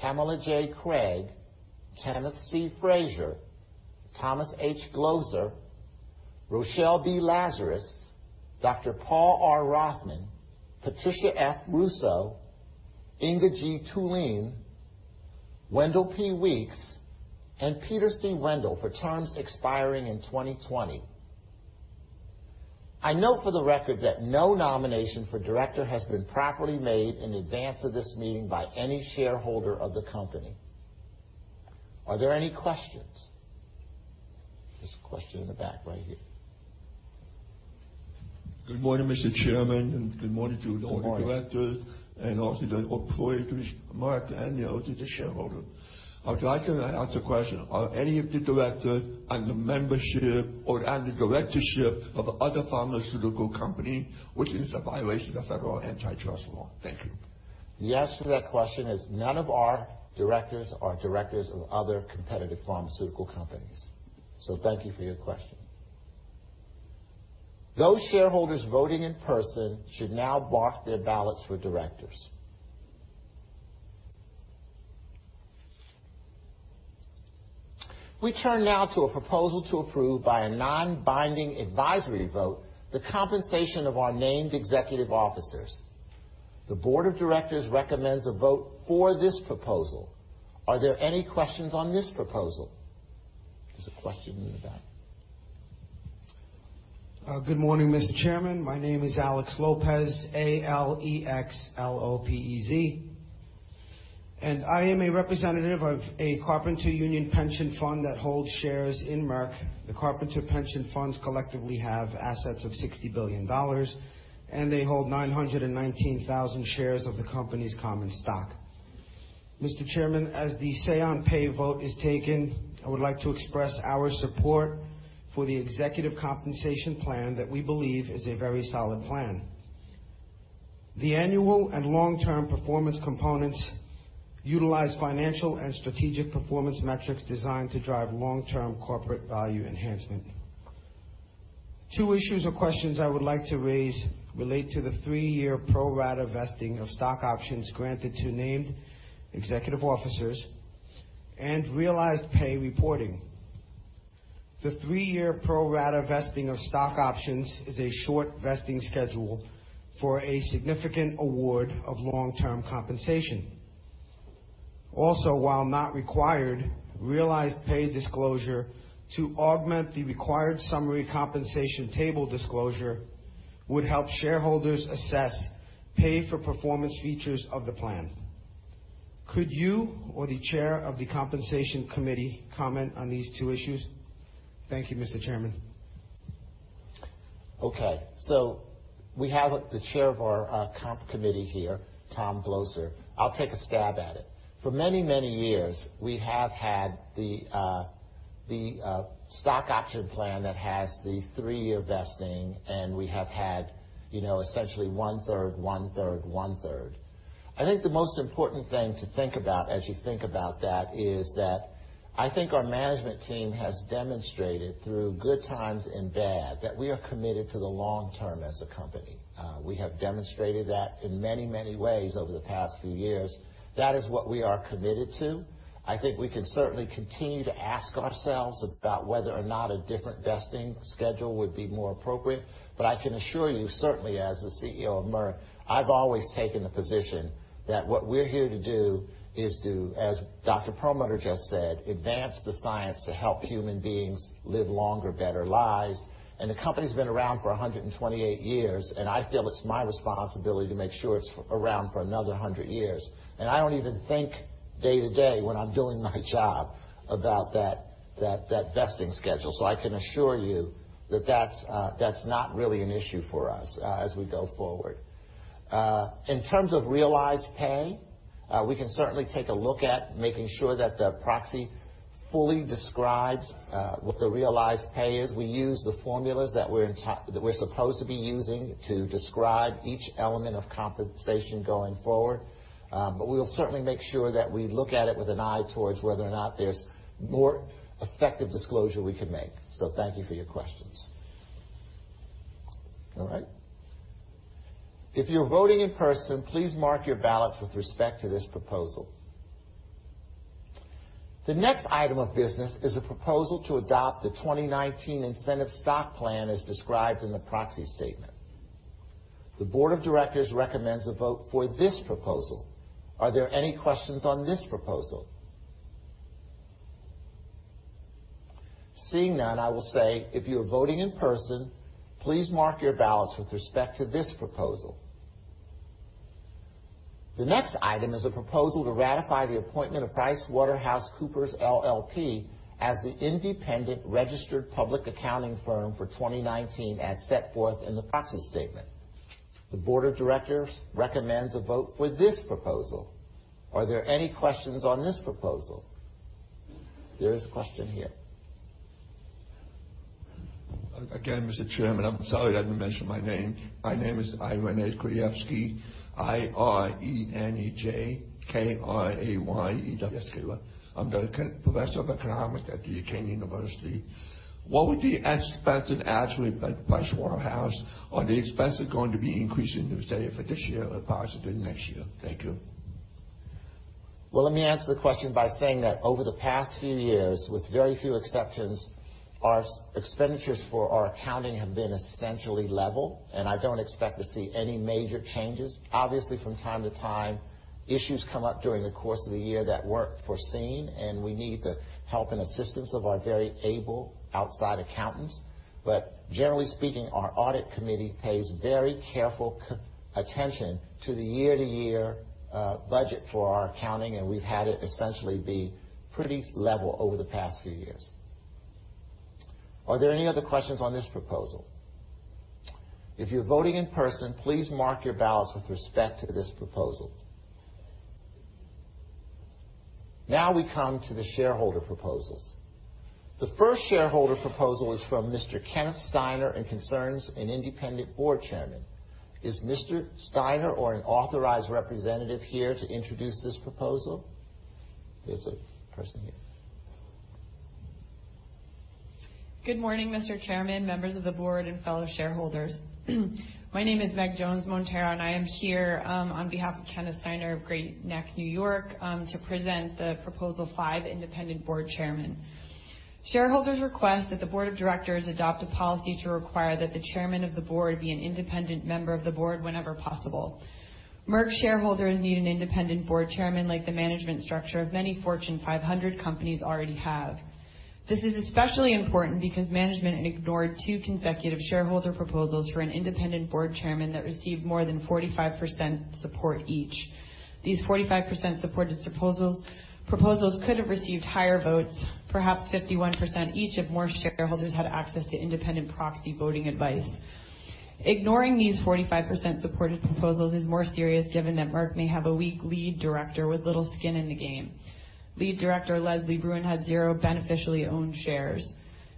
Pamela J. Craig, Kenneth C. Frazier, Thomas H. Glocer, Rochelle B. Lazarus, Dr. Paul R. Rothman, Patricia F. Russo, Inge G. Thulin, Wendell P. Weeks, and Peter C. Wendell for terms expiring in 2020. I note for the record that no nomination for director has been properly made in advance of this meeting by any shareholder of the company. Are there any questions? There's a question in the back right here. Good morning, Mr. Chairman. Good morning all the directors, also the employees of Merck and the shareholders. I would like to ask a question. Are any of the directors on the membership or on the directorship of other pharmaceutical company, which is a violation of federal antitrust law? Thank you. The answer to that question is none of our directors are directors of other competitive pharmaceutical companies. Thank you for your question. Those shareholders voting in person should now mark their ballots for directors. We turn now to a proposal to approve by a non-binding advisory vote the compensation of our named executive officers. The board of directors recommends a vote for this proposal. Are there any questions on this proposal? There is a question in the back. Good morning, Mr. Chairman. My name is Alex Lopez, A-L-E-X L-O-P-E-Z, and I am a representative of a carpenter union pension fund that holds shares in Merck. The carpenter pension funds collectively have assets of $60 billion, and they hold 919,000 shares of the company's common stock. Mr. Chairman, as the say on pay vote is taken, I would like to express our support for the executive compensation plan that we believe is a very solid plan. The annual and long-term performance components utilize financial and strategic performance metrics designed to drive long-term corporate value enhancement. Two issues or questions I would like to raise relate to the three-year pro rata vesting of stock options granted to named executive officers and realized pay reporting. The three-year pro rata vesting of stock options is a short vesting schedule for a significant award of long-term compensation. While not required, realized pay disclosure to augment the required summary compensation table disclosure would help shareholders assess pay for performance features of the plan. Could you or the chair of the compensation committee comment on these two issues? Thank you, Mr. Chairman. We have the chair of our comp committee here, Tom Glocer. I will take a stab at it. For many, many years, we have had the stock option plan that has the three-year vesting, and we have had essentially one-third, one-third, one-third. I think the most important thing to think about as you think about that is that I think our management team has demonstrated through good times and bad that we are committed to the long-term as a company. We have demonstrated that in many, many ways over the past few years. That is what we are committed to. I think we can certainly continue to ask ourselves about whether or not a different vesting schedule would be more appropriate. I can assure you, certainly as the CEO of Merck, I've always taken the position that what we're here to do is to, as Dr. Roger M. Perlmutter just said, advance the science to help human beings live longer, better lives. The company's been around for 128 years, and I feel it's my responsibility to make sure it's around for another 100 years. I don't even think day to day when I'm doing my job about that vesting schedule. I can assure you that that's not really an issue for us as we go forward. In terms of realized pay. We can certainly take a look at making sure that the proxy fully describes what the realized pay is. We use the formulas that we're supposed to be using to describe each element of compensation going forward. We'll certainly make sure that we look at it with an eye towards whether or not there's more effective disclosure we can make. Thank you for your questions. All right. If you're voting in person, please mark your ballots with respect to this proposal. The next item of business is a proposal to adopt a 2019 incentive stock plan as described in the proxy statement. The board of directors recommends a vote for this proposal. Are there any questions on this proposal? Seeing none, I will say, if you are voting in person, please mark your ballots with respect to this proposal. The next item is a proposal to ratify the appointment of PricewaterhouseCoopers LLP as the independent registered public accounting firm for 2019, as set forth in the proxy statement. The board of directors recommends a vote for this proposal. Are there any questions on this proposal? There is a question here. Again, Mr. Chairman, I'm sorry I didn't mention my name. My name is Irenej Krajewski, I-R-E-N-E-J-K-R-A-J-E-W-S-K-I. I'm the professor of economics at Duquesne University. What would be expected actually by Pricewaterhouse? Are the expenses going to be increasing, you would say, for this year or possibly next year? Thank you. Let me answer the question by saying that over the past few years, with very few exceptions, our expenditures for our accounting have been essentially level. I don't expect to see any major changes. Obviously, from time to time, issues come up during the course of the year that weren't foreseen. We need the help and assistance of our very able outside accountants. Generally speaking, our audit committee pays very careful attention to the year-to-year budget for our accounting. We've had it essentially be pretty level over the past few years. Are there any other questions on this proposal? If you're voting in person, please mark your ballots with respect to this proposal. We come to the shareholder proposals. The first shareholder proposal is from Mr. Kenneth Steiner and concerns an independent board chairman. Is Mr. Steiner or an authorized representative here to introduce this proposal? There's a person here. Good morning, Mr. Chairman, members of the board, and fellow shareholders. My name is Meg Jones-Montero. I am here on behalf of Kenneth Steiner of Great Neck, New York, to present the Proposal 5 independent board chairman. Shareholders request that the board of directors adopt a policy to require that the chairman of the board be an independent member of the board whenever possible. Merck shareholders need an independent board chairman like the management structure of many Fortune 500 companies already have. This is especially important because management ignored two consecutive shareholder proposals for an independent board chairman that received more than 45% support each. These 45% supported proposals could have received higher votes, perhaps 51% each if more shareholders had access to independent proxy voting advice. Ignoring these 45% supported proposals is more serious given that Merck may have a weak lead director with little skin in the game. Lead Director Leslie Brun had zero beneficially owned shares.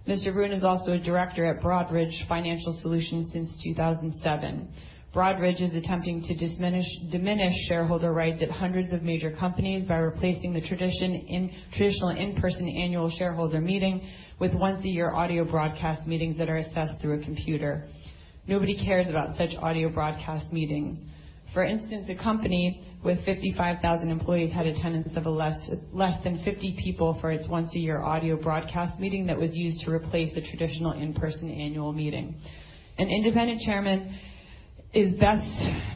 Mr. Brun is also a director at Broadridge Financial Solutions since 2007. Broadridge is attempting to diminish shareholder rights at hundreds of major companies by replacing the traditional in-person annual shareholder meeting with once-a-year audio broadcast meetings that are accessed through a computer. Nobody cares about such audio broadcast meetings. For instance, a company with 55,000 employees had attendance of less than 50 people for its once-a-year audio broadcast meeting that was used to replace the traditional in-person annual meeting. An independent chairman is best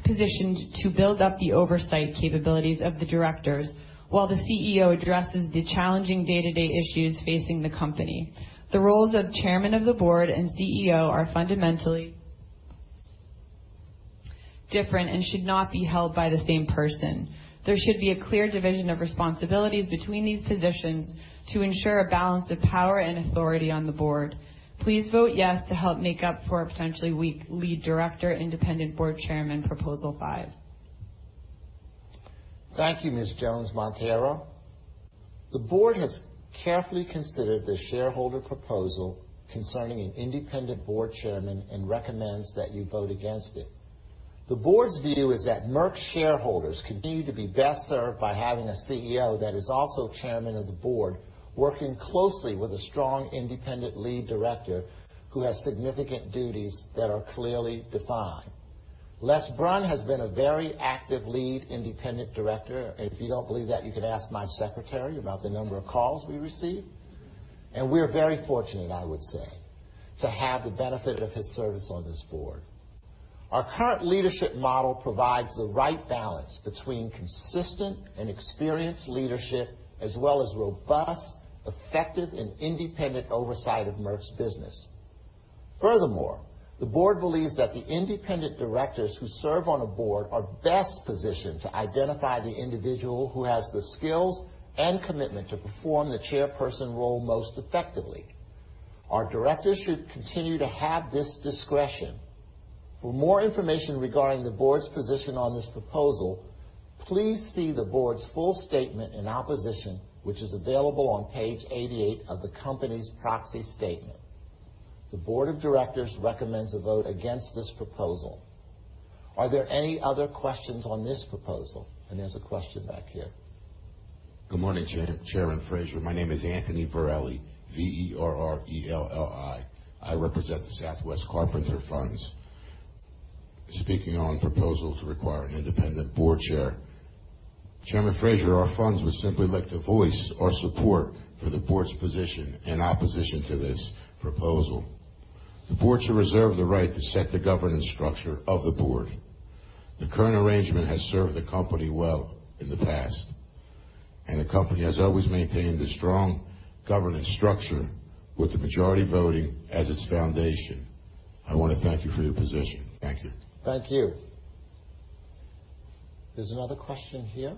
positioned to build up the oversight capabilities of the directors while the CEO addresses the challenging day-to-day issues facing the company. The roles of Chairman of the Board and CEO are fundamentally different and should not be held by the same person. There should be a clear division of responsibilities between these positions to ensure a balance of power and authority on the board. Please vote yes to help make up for a potentially weak Lead Director independent board chairman, Proposal 5. Thank you, Ms. Jones-Montero. The board has carefully considered the shareholder proposal concerning an independent board chairman and recommends that you vote against it. The board's view is that Merck shareholders continue to be best served by having a CEO that is also chairman of the board, working closely with a strong independent Lead Director who has significant duties that are clearly defined. Les Brun has been a very active Lead Independent Director. If you don't believe that, you can ask my secretary about the number of calls we receive. We're very fortunate, I would say, to have the benefit of his service on this board. Our current leadership model provides the right balance between consistent and experienced leadership, as well as robust, effective, and independent oversight of Merck's business. Furthermore, the board believes that the independent directors who serve on a board are best positioned to identify the individual who has the skills and commitment to perform the chairperson role most effectively. Our directors should continue to have this discretion. For more information regarding the board's position on this proposal, please see the board's full statement and opposition, which is available on page 88 of the company's proxy statement. The board of directors recommends a vote against this proposal. Are there any other questions on this proposal? There's a question back here. Good morning, Chairman Frazier. My name is Anthony Verrelli, V-E-R-R-E-L-L-I. I represent the Southwest Carpenter Funds. Speaking on proposal to require an independent board chair. Chairman Frazier, our funds would simply like to voice our support for the board's position in opposition to this proposal. The board should reserve the right to set the governance structure of the board. The current arrangement has served the company well in the past. The company has always maintained a strong governance structure with the majority voting as its foundation. I want to thank you for your position. Thank you. Thank you. There's another question here.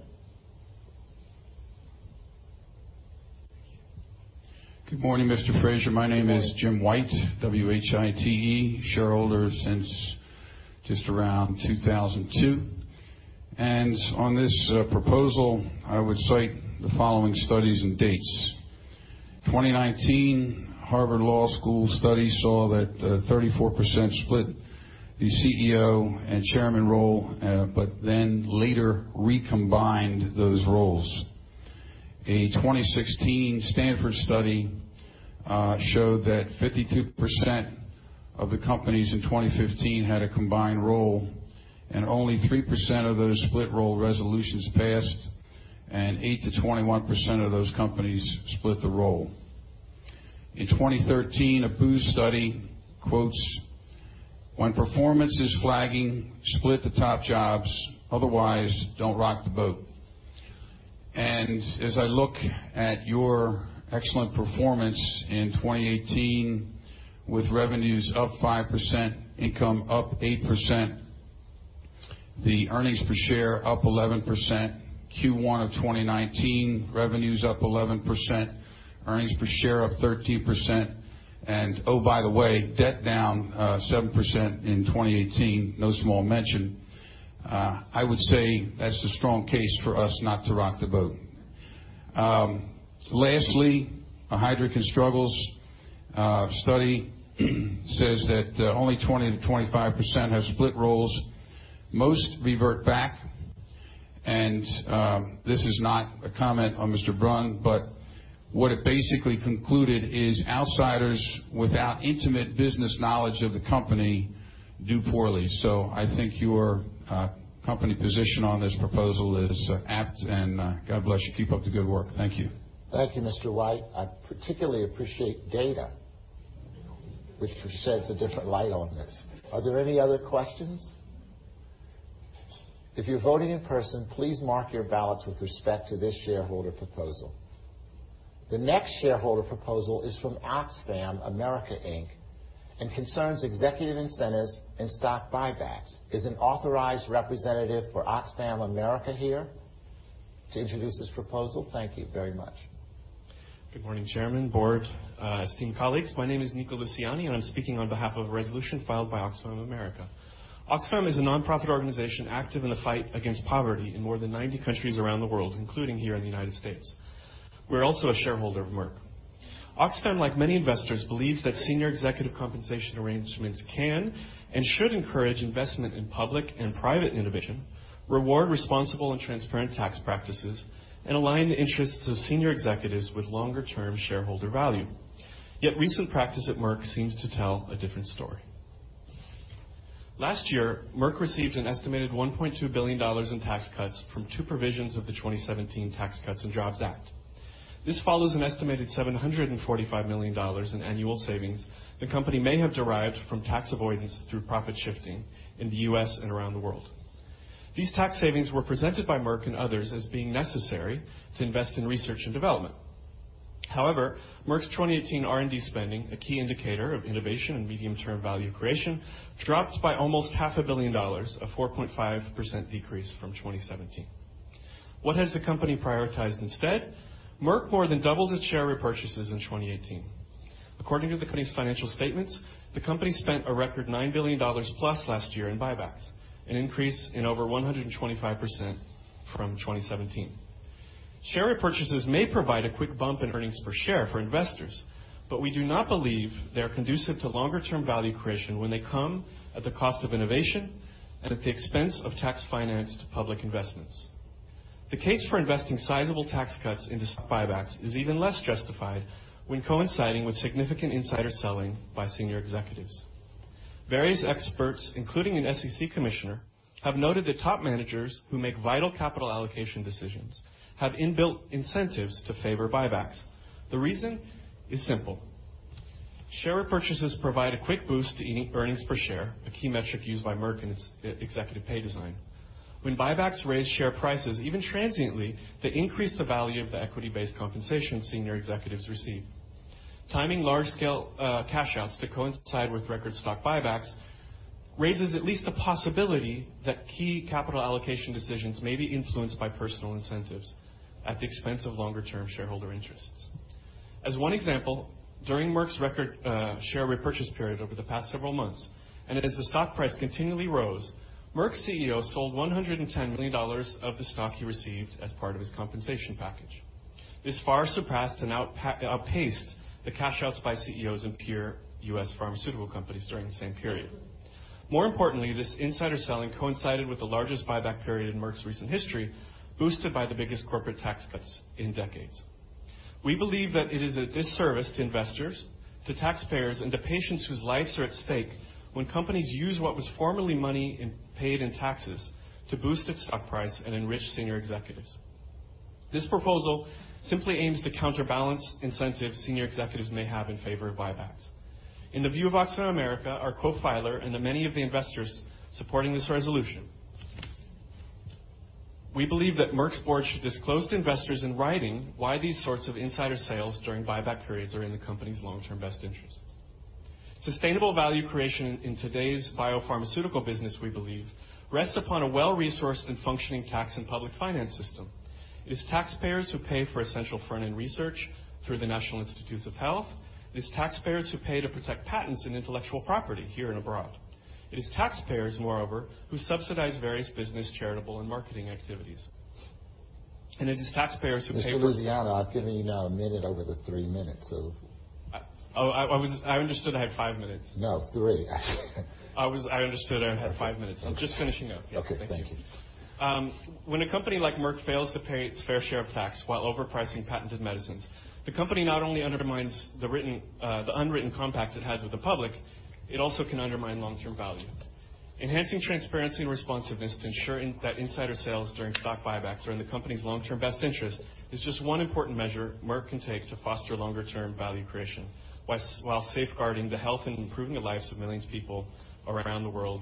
Good morning, Mr. Frazier. My name is Jim White, W-H-I-T-E, shareholder since just around 2002. On this proposal, I would cite the following studies and dates. 2019, Harvard Law School study saw that 34% split the CEO and chairman role, but then later recombined those roles. A 2016 Stanford study showed that 52% of the companies in 2015 had a combined role, and only 3% of those split role resolutions passed, and 8%-21% of those companies split the role. In 2013, a Booth study quotes, "When performance is flagging, split the top jobs. Otherwise, don't rock the boat." As I look at your excellent performance in 2018, with revenues up 5%, income up 8%, the earnings per share up 11%, Q1 of 2019, revenues up 11%, earnings per share up 13%, and oh, by the way, debt down 7% in 2018, no small mention. I would say that's a strong case for us not to rock the boat. Lastly, a Heidrick & Struggles study says that only 20%-25% have split roles. Most revert back, and this is not a comment on Mr. Brun, but what it basically concluded is outsiders without intimate business knowledge of the company do poorly. I think your company position on this proposal is apt, and God bless you. Keep up the good work. Thank you. Thank you, Mr. White. I particularly appreciate data, which sheds a different light on this. Are there any other questions? If you're voting in person, please mark your ballots with respect to this shareholder proposal. The next shareholder proposal is from Oxfam America, Inc., and concerns executive incentives and stock buybacks. Is an authorized representative for Oxfam America here to introduce this proposal? Thank you very much. Good morning, Chairman, board, esteemed colleagues. My name is Niko Lusiani, and I'm speaking on behalf of a resolution filed by Oxfam America. Oxfam is a nonprofit organization active in the fight against poverty in more than 90 countries around the world, including here in the United States. We're also a shareholder of Merck. Oxfam, like many investors, believes that senior executive compensation arrangements can and should encourage investment in public and private innovation, reward responsible and transparent tax practices, and align the interests of senior executives with longer-term shareholder value. Yet recent practice at Merck seems to tell a different story. Last year, Merck received an estimated $1.2 billion in tax cuts from two provisions of the 2017 Tax Cuts and Jobs Act. This follows an estimated $745 million in annual savings the company may have derived from tax avoidance through profit shifting in the U.S. and around the world. These tax savings were presented by Merck and others as being necessary to invest in research and development. However, Merck's 2018 R&D spending, a key indicator of innovation and medium-term value creation, dropped by almost half a billion dollars, a 4.5% decrease from 2017. What has the company prioritized instead? Merck more than doubled its share repurchases in 2018. According to the company's financial statements, the company spent a record $9 billion plus last year in buybacks, an increase in over 125% from 2017. Share repurchases may provide a quick bump in earnings per share for investors, but we do not believe they're conducive to longer-term value creation when they come at the cost of innovation and at the expense of tax-financed public investments. The case for investing sizable tax cuts into stock buybacks is even less justified when coinciding with significant insider selling by senior executives. Various experts, including an SEC commissioner, have noted that top managers who make vital capital allocation decisions have inbuilt incentives to favor buybacks. The reason is simple. Share repurchases provide a quick boost to earnings per share, a key metric used by Merck in its executive pay design. When buybacks raise share prices, even transiently, they increase the value of the equity-based compensation senior executives receive. Timing large-scale cash-outs to coincide with record stock buybacks raises at least the possibility that key capital allocation decisions may be influenced by personal incentives at the expense of longer-term shareholder interests. As one example, during Merck's record share repurchase period over the past several months, and as the stock price continually rose, Merck's CEO sold $110 million of the stock he received as part of his compensation package. This far surpassed and outpaced the cash outs by CEOs in peer U.S. pharmaceutical companies during the same period. More importantly, this insider selling coincided with the largest buyback period in Merck's recent history, boosted by the biggest corporate tax cuts in decades. We believe that it is a disservice to investors, to taxpayers, and to patients whose lives are at stake when companies use what was formerly money paid in taxes to boost its stock price and enrich senior executives. This proposal simply aims to counterbalance incentives senior executives may have in favor of buybacks. In the view of Oxfam America, our co-filer, and the many of the investors supporting this resolution, we believe that Merck's board should disclose to investors in writing why these sorts of insider sales during buyback periods are in the company's long-term best interest. Sustainable value creation in today's biopharmaceutical business, we believe, rests upon a well-resourced and functioning tax and public finance system. It is taxpayers who pay for essential front-end research through the National Institutes of Health. It is taxpayers who pay to protect patents and intellectual property here and abroad. It is taxpayers, moreover, who subsidize various business, charitable, and marketing activities. It is taxpayers who pay for- Mr. Lusiani, I've given you now a minute over the three minutes. I understood I had five minutes. No, three. I understood I had five minutes. I'm just finishing up. Okay. Thank you. When a company like Merck fails to pay its fair share of tax while overpricing patented medicines, the company not only undermines the unwritten compact it has with the public, it also can undermine long-term value. Enhancing transparency and responsiveness to ensure that insider sales during stock buybacks are in the company's long-term best interest is just one important measure Merck can take to foster longer-term value creation while safeguarding the health and improving the lives of millions of people around the world.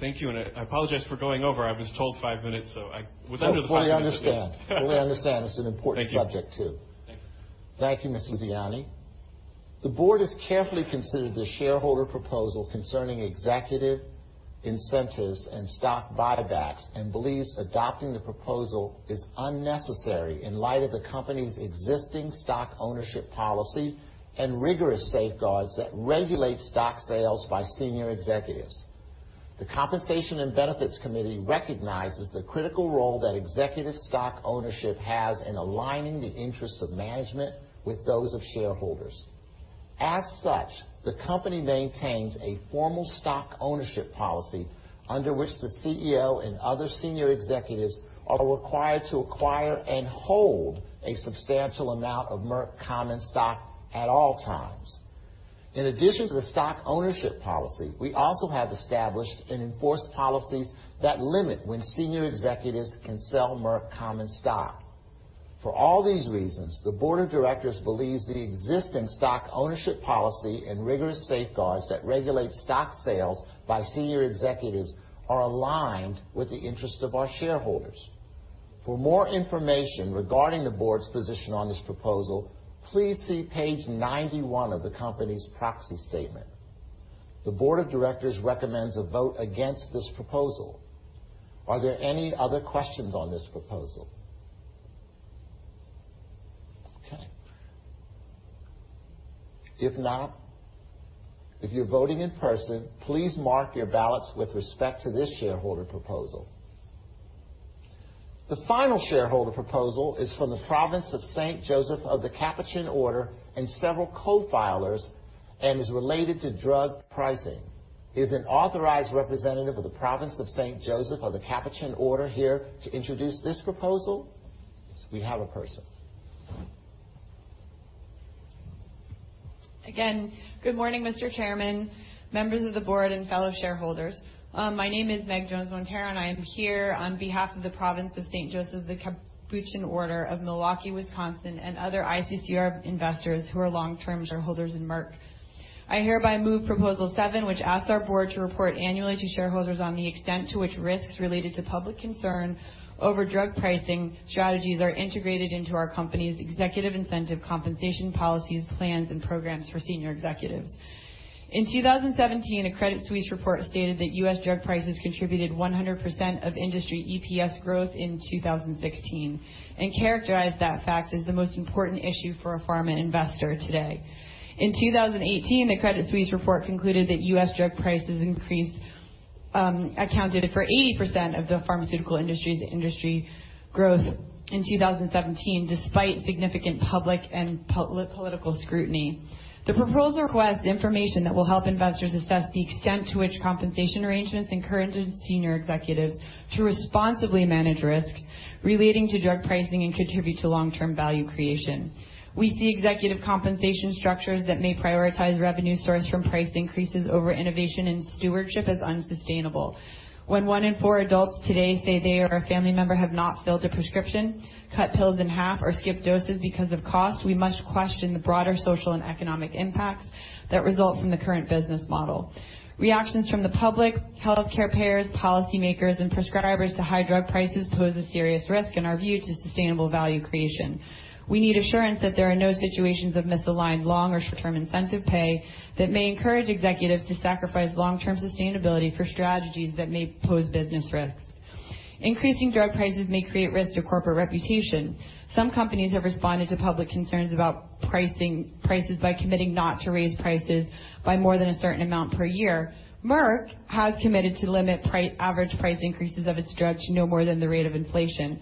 Thank you, and I apologize for going over. I was told five minutes, so I was under the five minutes. Fully understand. It's an important subject, too. Thank you. Thank you, Mr. Lusiani. The board has carefully considered the shareholder proposal concerning executive incentives and stock buybacks, and believes adopting the proposal is unnecessary in light of the company's existing stock ownership policy and rigorous safeguards that regulate stock sales by senior executives. The Compensation and Benefits Committee recognizes the critical role that executive stock ownership has in aligning the interests of management with those of shareholders. As such, the company maintains a formal stock ownership policy under which the CEO and other senior executives are required to acquire and hold a substantial amount of Merck common stock at all times. In addition to the stock ownership policy, we also have established and enforced policies that limit when senior executives can sell Merck common stock. For all these reasons, the board of directors believes the existing stock ownership policy and rigorous safeguards that regulate stock sales by senior executives are aligned with the interest of our shareholders. For more information regarding the board's position on this proposal, please see page 91 of the company's proxy statement. The board of directors recommends a vote against this proposal. Are there any other questions on this proposal? Okay. If not, if you're voting in person, please mark your ballots with respect to this shareholder proposal. The final shareholder proposal is from the Province of St. Joseph of the Capuchin Order and several co-filers and is related to drug pricing. Is an authorized representative of the Province of St. Joseph of the Capuchin Order here to introduce this proposal? Yes, we have a person. Again, good morning, Mr. Chairman, members of the board, and fellow shareholders. My name is Meg Jones-Montero, and I am here on behalf of the Province of St. Joseph of the Capuchin Order of Milwaukee, Wisconsin, and other ICCR investors who are long-term shareholders in Merck. I hereby move Proposal seven, which asks our board to report annually to shareholders on the extent to which risks related to public concern over drug pricing strategies are integrated into our company's executive incentive compensation policies, plans, and programs for senior executives. In 2017, a Credit Suisse report stated that U.S. drug prices contributed 100% of industry EPS growth in 2016 and characterized that fact as the most important issue for a pharma investor today. In 2018, the Credit Suisse report concluded that U.S. drug prices accounted for 80% of the pharmaceutical industry's industry growth in 2017, despite significant public and political scrutiny. The proposal requests information that will help investors assess the extent to which compensation arrangements encourage senior executives to responsibly manage risks relating to drug pricing and contribute to long-term value creation. We see executive compensation structures that may prioritize revenue source from price increases over innovation and stewardship as unsustainable. When one in four adults today say they or a family member have not filled a prescription, cut pills in half, or skipped doses because of cost, we must question the broader social and economic impacts that result from the current business model. Reactions from the public, healthcare payers, policymakers, and prescribers to high drug prices pose a serious risk, in our view, to sustainable value creation. We need assurance that there are no situations of misaligned long or short-term incentive pay that may encourage executives to sacrifice long-term sustainability for strategies that may pose business risks. Increasing drug prices may create risk to corporate reputation. Some companies have responded to public concerns about prices by committing not to raise prices by more than a certain amount per year. Merck has committed to limit average price increases of its drugs to no more than the rate of inflation.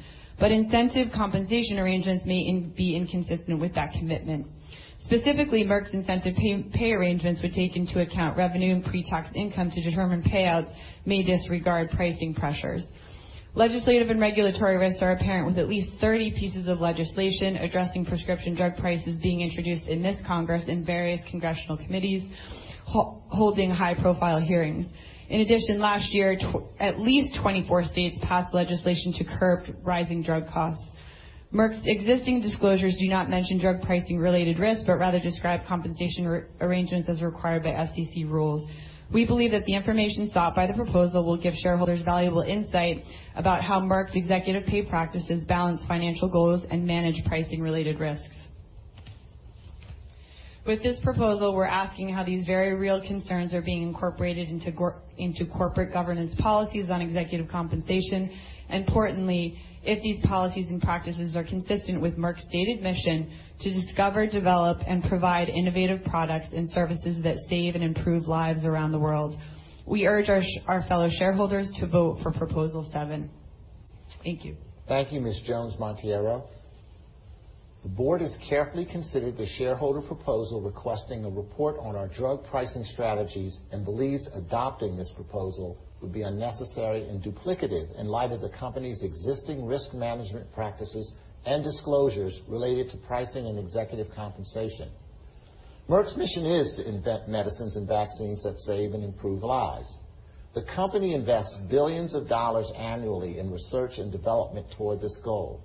Incentive compensation arrangements may be inconsistent with that commitment. Specifically, Merck's incentive pay arrangements, which take into account revenue and pre-tax income to determine payouts, may disregard pricing pressures. Legislative and regulatory risks are apparent with at least 30 pieces of legislation addressing prescription drug prices being introduced in this Congress in various congressional committees holding high-profile hearings. In addition, last year, at least 24 states passed legislation to curb rising drug costs. Merck's existing disclosures do not mention drug pricing-related risks, but rather describe compensation arrangements as required by SEC rules. We believe that the information sought by the proposal will give shareholders valuable insight about how Merck's executive pay practices balance financial goals and manage pricing-related risks. With this proposal, we're asking how these very real concerns are being incorporated into corporate governance policies on executive compensation. Importantly, if these policies and practices are consistent with Merck's stated mission to discover, develop, and provide innovative products and services that save and improve lives around the world. We urge our fellow shareholders to vote for Proposal seven. Thank you. Thank you, Ms. Jones-Montero. The board has carefully considered the shareholder proposal requesting a report on our drug pricing strategies and believes adopting this proposal would be unnecessary and duplicative in light of the company's existing risk management practices and disclosures related to pricing and executive compensation. Merck's mission is to invent medicines and vaccines that save and improve lives. The company invests billions of dollars annually in research and development toward this goal.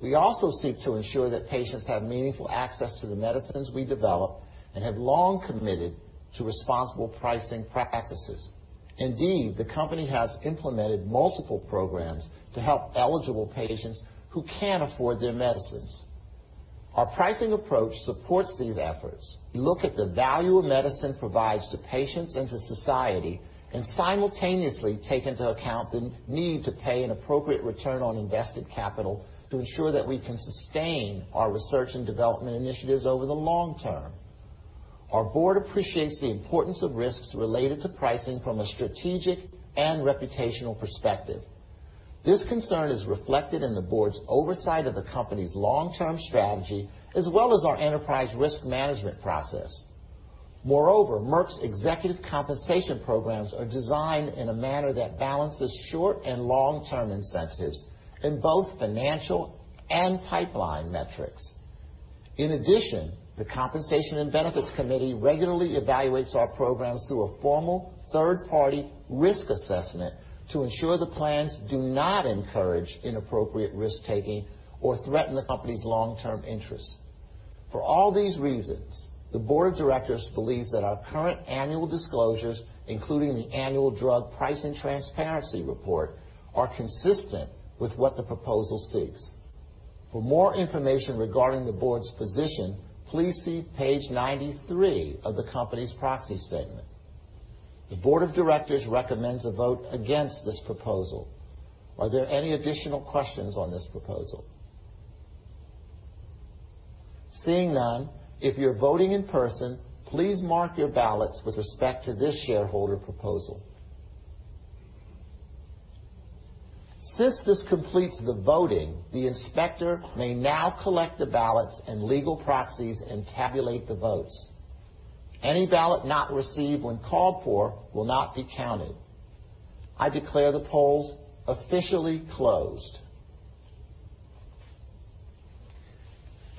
We also seek to ensure that patients have meaningful access to the medicines we develop and have long committed to responsible pricing practices. Indeed, the company has implemented multiple programs to help eligible patients who can't afford their medicines. Our pricing approach supports these efforts. We look at the value a medicine provides to patients and to society and simultaneously take into account the need to pay an appropriate return on invested capital to ensure that we can sustain our research and development initiatives over the long term. Our board appreciates the importance of risks related to pricing from a strategic and reputational perspective. This concern is reflected in the board's oversight of the company's long-term strategy, as well as our enterprise risk management process. Moreover, Merck's executive compensation programs are designed in a manner that balances short- and long-term incentives in both financial and pipeline metrics. In addition, the Compensation and Benefits Committee regularly evaluates our programs through a formal third-party risk assessment to ensure the plans do not encourage inappropriate risk-taking or threaten the company's long-term interests. For all these reasons, the board of directors believes that our current annual disclosures, including the annual Drug Pricing Transparency Report, are consistent with what the proposal seeks. For more information regarding the board's position, please see page 93 of the company's proxy statement. The board of directors recommends a vote against this proposal. Are there any additional questions on this proposal? Seeing none, if you're voting in person, please mark your ballots with respect to this shareholder proposal. Since this completes the voting, the inspector may now collect the ballots and legal proxies and tabulate the votes. Any ballot not received when called for will not be counted. I declare the polls officially closed.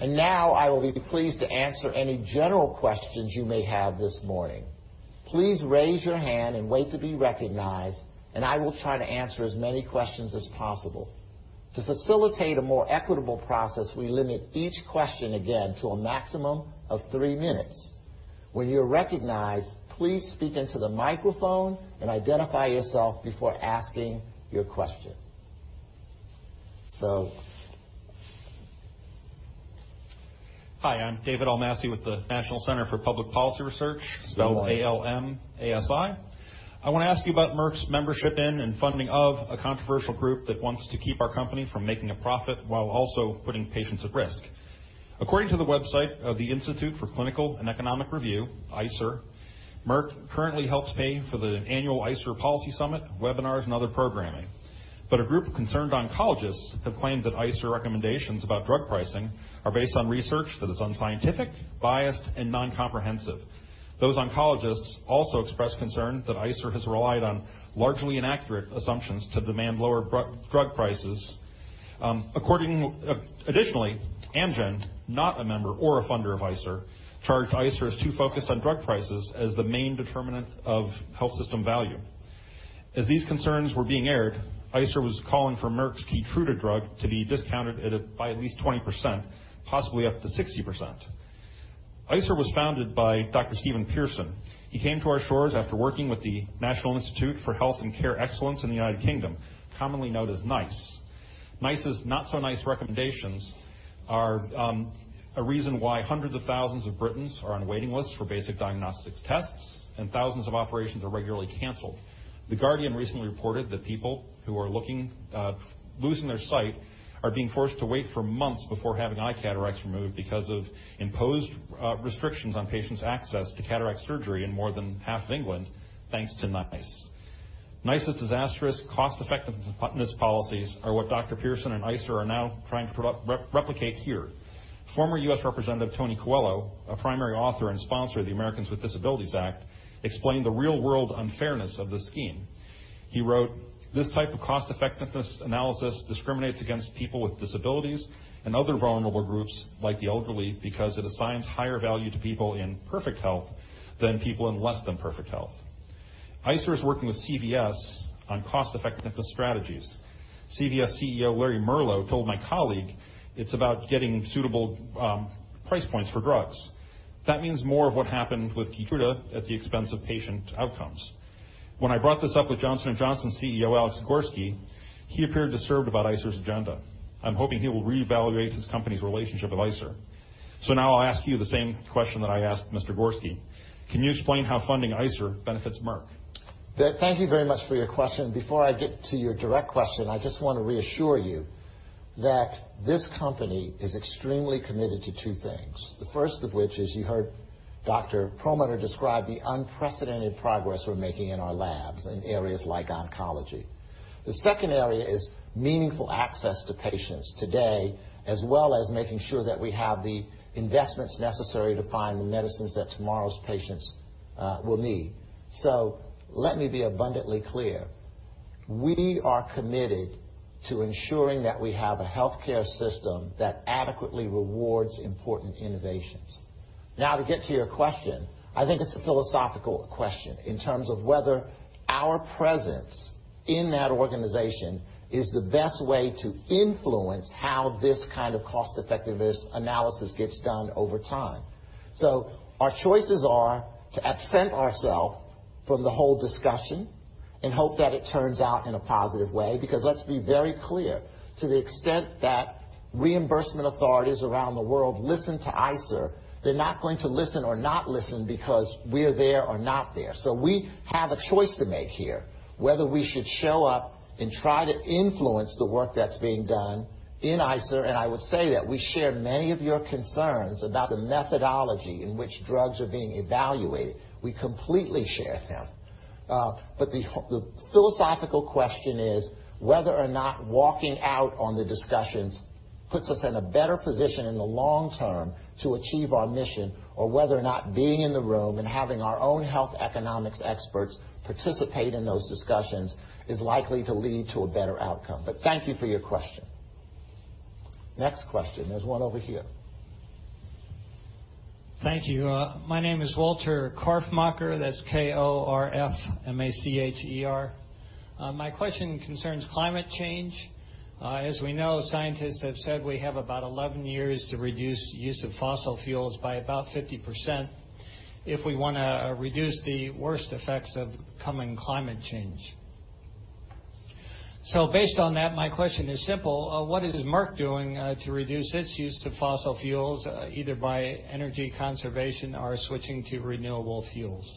Now I will be pleased to answer any general questions you may have this morning. Please raise your hand and wait to be recognized, and I will try to answer as many questions as possible. To facilitate a more equitable process, we limit each question again to a maximum of three minutes. When you're recognized, please speak into the microphone and identify yourself before asking your question. Hi, I'm David Almasi with the National Center for Public Policy Research. Good morning. Spelled A-L-M-A-S-I. I want to ask you about Merck's membership in and funding of a controversial group that wants to keep our company from making a profit while also putting patients at risk. According to the website of the Institute for Clinical and Economic Review, ICER, Merck currently helps pay for the annual ICER Policy Summit, webinars, and other programming. A group of concerned oncologists have claimed that ICER recommendations about drug pricing are based on research that is unscientific, biased, and non-comprehensive. Those oncologists also expressed concern that ICER has relied on largely inaccurate assumptions to demand lower drug prices. Additionally, Amgen, not a member or a funder of ICER, charged ICER as too focused on drug prices as the main determinant of health system value. As these concerns were being aired, ICER was calling for Merck's KEYTRUDA drug to be discounted by at least 20%, possibly up to 60%. ICER was founded by Dr. Steven Pearson. He came to our shores after working with the National Institute for Health and Care Excellence in the U.K., commonly known as NICE. NICE's not-so-nice recommendations are a reason why hundreds of thousands of Britons are on waiting lists for basic diagnostic tests, and thousands of operations are regularly canceled. The Guardian recently reported that people who are losing their sight are being forced to wait for months before having eye cataracts removed because of imposed restrictions on patients' access to cataract surgery in more than half of England, thanks to NICE. NICE's disastrous cost-effectiveness policies are what Dr. Steven Pearson and ICER are now trying to replicate here. Former U.S. Representative Tony Coelho, a primary author and sponsor of the Americans with Disabilities Act, explained the real-world unfairness of the scheme. He wrote, "This type of cost-effectiveness analysis discriminates against people with disabilities and other vulnerable groups like the elderly because it assigns higher value to people in perfect health than people in less than perfect health." ICER is working with CVS on cost-effective strategies. CVS CEO Larry Merlo told my colleague, "It's about getting suitable price points for drugs." That means more of what happened with KEYTRUDA at the expense of patient outcomes. When I brought this up with Johnson & Johnson CEO Alex Gorsky, he appeared disturbed about ICER's agenda. I'm hoping he will reevaluate his company's relationship with ICER. Now I'll ask you the same question that I asked Mr. Gorsky. Can you explain how funding ICER benefits Merck? Thank you very much for your question. Before I get to your direct question, I just want to reassure you that this company is extremely committed to two things. The first of which is you heard Dr. Roger M. Perlmutter describe the unprecedented progress we're making in our labs in areas like oncology. The second area is meaningful access to patients today, as well as making sure that we have the investments necessary to find the medicines that tomorrow's patients will need. Let me be abundantly clear. We are committed to ensuring that we have a healthcare system that adequately rewards important innovations. To get to your question, I think it's a philosophical question in terms of whether our presence in that organization is the best way to influence how this kind of cost-effectiveness analysis gets done over time. Our choices are to absent ourselves from the whole discussion and hope that it turns out in a positive way, because let's be very clear, to the extent that reimbursement authorities around the world listen to ICER, they're not going to listen or not listen because we're there or not there. We have a choice to make here, whether we should show up and try to influence the work that's being done in ICER. I would say that we share many of your concerns about the methodology in which drugs are being evaluated. We completely share them. The philosophical question is whether or not walking out on the discussions puts us in a better position in the long term to achieve our mission, or whether or not being in the room and having our own health economics experts participate in those discussions is likely to lead to a better outcome. Thank you for your question. Next question. There's one over here. Thank you. My name is Walter Korfmacher. That's K-O-R-F-M-A-C-H-E-R. My question concerns climate change. As we know, scientists have said we have about 11 years to reduce use of fossil fuels by about 50% if we want to reduce the worst effects of coming climate change. Based on that, my question is simple. What is Merck doing to reduce its use of fossil fuels, either by energy conservation or switching to renewable fuels?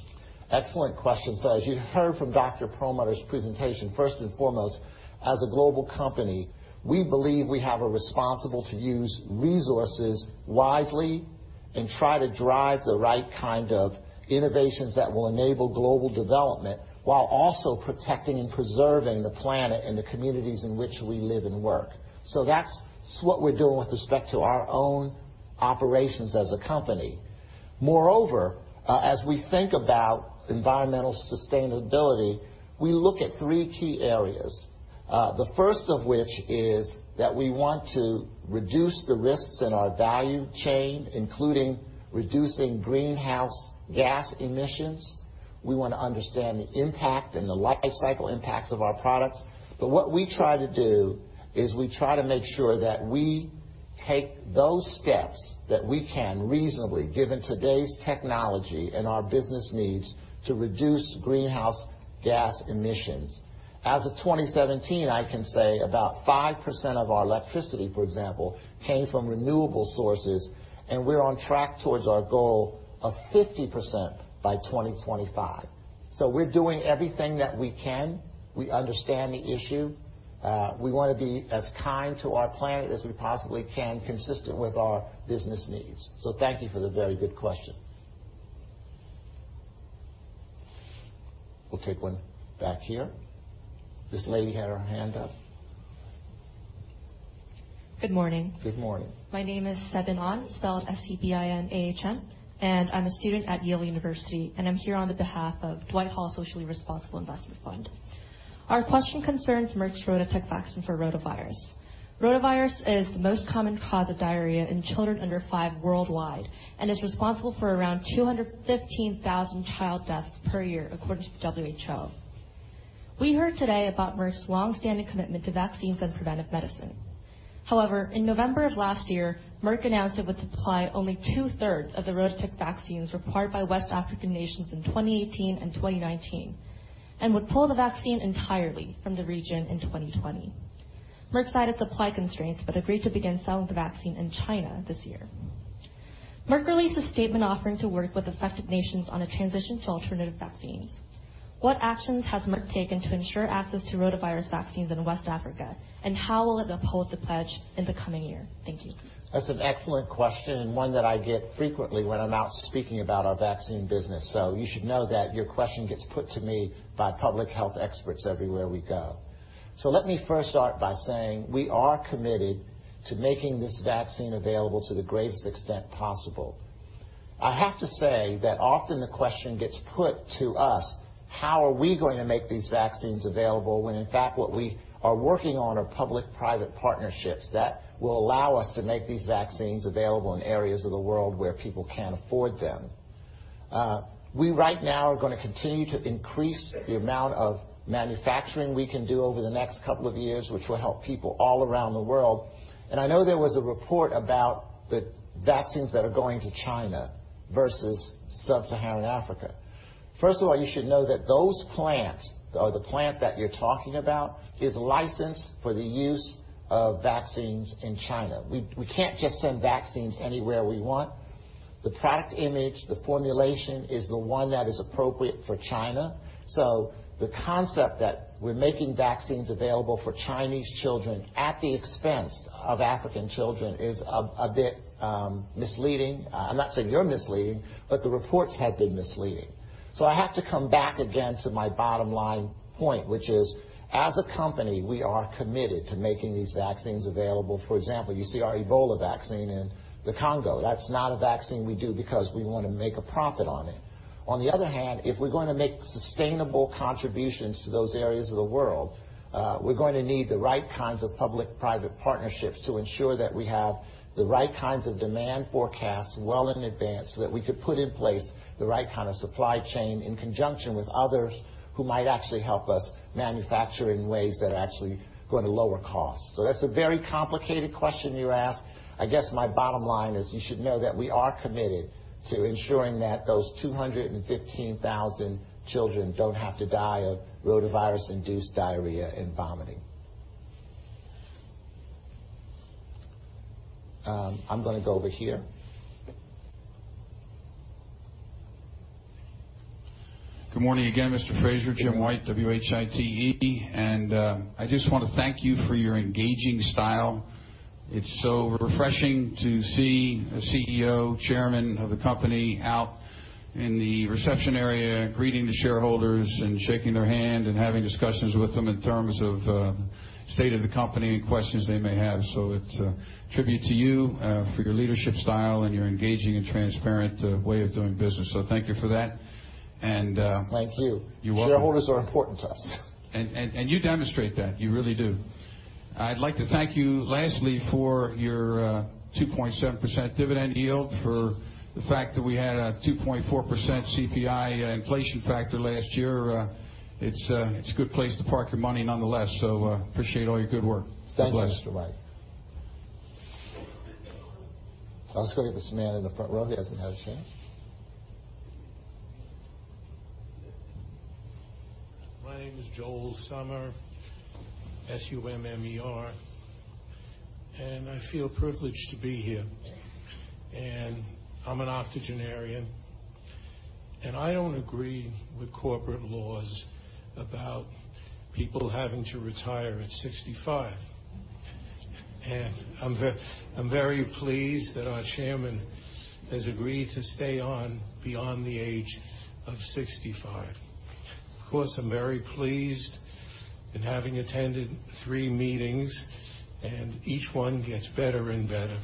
Excellent question. As you heard from Dr. Perlmutter's presentation, first and foremost, as a global company, we believe we have a responsible to use resources wisely and try to drive the right kind of innovations that will enable global development while also protecting and preserving the planet and the communities in which we live and work. That's what we're doing with respect to our own operations as a company. Moreover, as we think about environmental sustainability, we look at three key areas. The first of which is that we want to reduce the risks in our value chain, including reducing greenhouse gas emissions. We want to understand the impact and the life cycle impacts of our products. What we try to do is we try to make sure that we take those steps that we can reasonably, given today's technology and our business needs, to reduce greenhouse gas emissions. As of 2017, I can say about 5% of our electricity, for example, came from renewable sources, and we're on track towards our goal of 50% by 2025. We're doing everything that we can. We understand the issue. We want to be as kind to our planet as we possibly can, consistent with our business needs. Thank you for the very good question. We'll take one back here. This lady had her hand up. Good morning. Good morning. My name is Sebin Ahn, spelled S-E-B-I-N A-H-N, and I'm a student at Yale University, and I'm here on behalf of Dwight Hall Socially Responsible Investment Fund. Our question concerns Merck's RotaTeq vaccine for rotavirus. Rotavirus is the most common cause of diarrhea in children under five worldwide and is responsible for around 215,000 child deaths per year, according to the WHO. We heard today about Merck's long-standing commitment to vaccines and preventive medicine. In November of last year, Merck announced it would supply only two-thirds of the RotaTeq vaccines required by West African nations in 2018 and 2019, and would pull the vaccine entirely from the region in 2020. Merck cited supply constraints but agreed to begin selling the vaccine in China this year. Merck released a statement offering to work with affected nations on a transition to alternative vaccines. What actions has Merck taken to ensure access to rotavirus vaccines in West Africa, how will it uphold the pledge in the coming year? Thank you. That's an excellent question, one that I get frequently when I'm out speaking about our vaccine business. You should know that your question gets put to me by public health experts everywhere we go. Let me first start by saying we are committed to making this vaccine available to the greatest extent possible. I have to say that often the question gets put to us, how are we going to make these vaccines available when, in fact, what we are working on are public-private partnerships that will allow us to make these vaccines available in areas of the world where people can't afford them. We right now are going to continue to increase the amount of manufacturing we can do over the next couple of years, which will help people all around the world. I know there was a report about the vaccines that are going to China versus sub-Saharan Africa. First of all, you should know that those plants, or the plant that you're talking about, is licensed for the use of vaccines in China. We can't just send vaccines anywhere we want. The product image, the formulation, is the one that is appropriate for China. The concept that we're making vaccines available for Chinese children at the expense of African children is a bit misleading. I'm not saying you're misleading, but the reports have been misleading. I have to come back again to my bottom line point, which is, as a company, we are committed to making these vaccines available. For example, you see our Ebola vaccine in the Congo. That's not a vaccine we do because we want to make a profit on it. On the other hand, if we're going to make sustainable contributions to those areas of the world, we're going to need the right kinds of public-private partnerships to ensure that we have the right kinds of demand forecasts well in advance so that we could put in place the right kind of supply chain in conjunction with others who might actually help us manufacture in ways that are actually going to lower costs. That's a very complicated question you asked. I guess my bottom line is you should know that we are committed to ensuring that those 215,000 children don't have to die of rotavirus-induced diarrhea and vomiting. I'm going to go over here. Good morning again, Mr. Frazier. Jim White, W-H-I-T-E. I just want to thank you for your engaging style. It's so refreshing to see a CEO, Chairman of the company out in the reception area greeting the shareholders, and shaking their hand, and having discussions with them in terms of state of the company and questions they may have. It's a tribute to you for your leadership style and your engaging and transparent way of doing business. Thank you for that. Thank you. You're welcome. Shareholders are important to us. You demonstrate that. You really do. I'd like to thank you lastly for your 2.7% dividend yield, for the fact that we had a 2.4% CPI inflation factor last year. It's a good place to park your money nonetheless. Appreciate all your good work. Best wishes. Thank you, Mr. White. Let's go get this man in the front row who hasn't had a chance. My name is Joel Summer, S-U-M-M-E-R. I feel privileged to be here. I'm an octogenarian, and I don't agree with corporate laws about people having to retire at 65. I'm very pleased that our chairman has agreed to stay on beyond the age of 65. Of course, I'm very pleased in having attended three meetings, and each one gets better and better.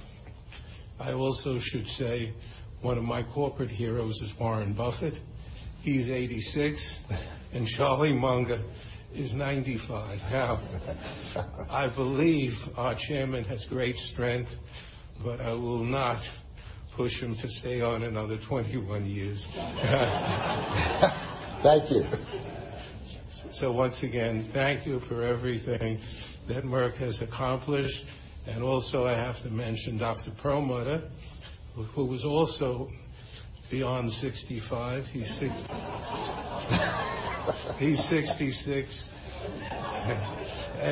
I also should say one of my corporate heroes is Warren Buffett. He's 86, and Charlie Munger is 95. I believe our chairman has great strength, but I will not push him to stay on another 21 years. Thank you. Once again, thank you for everything that Merck has accomplished, also I have to mention Dr. Perlmutter, who is also beyond 65. He's 66.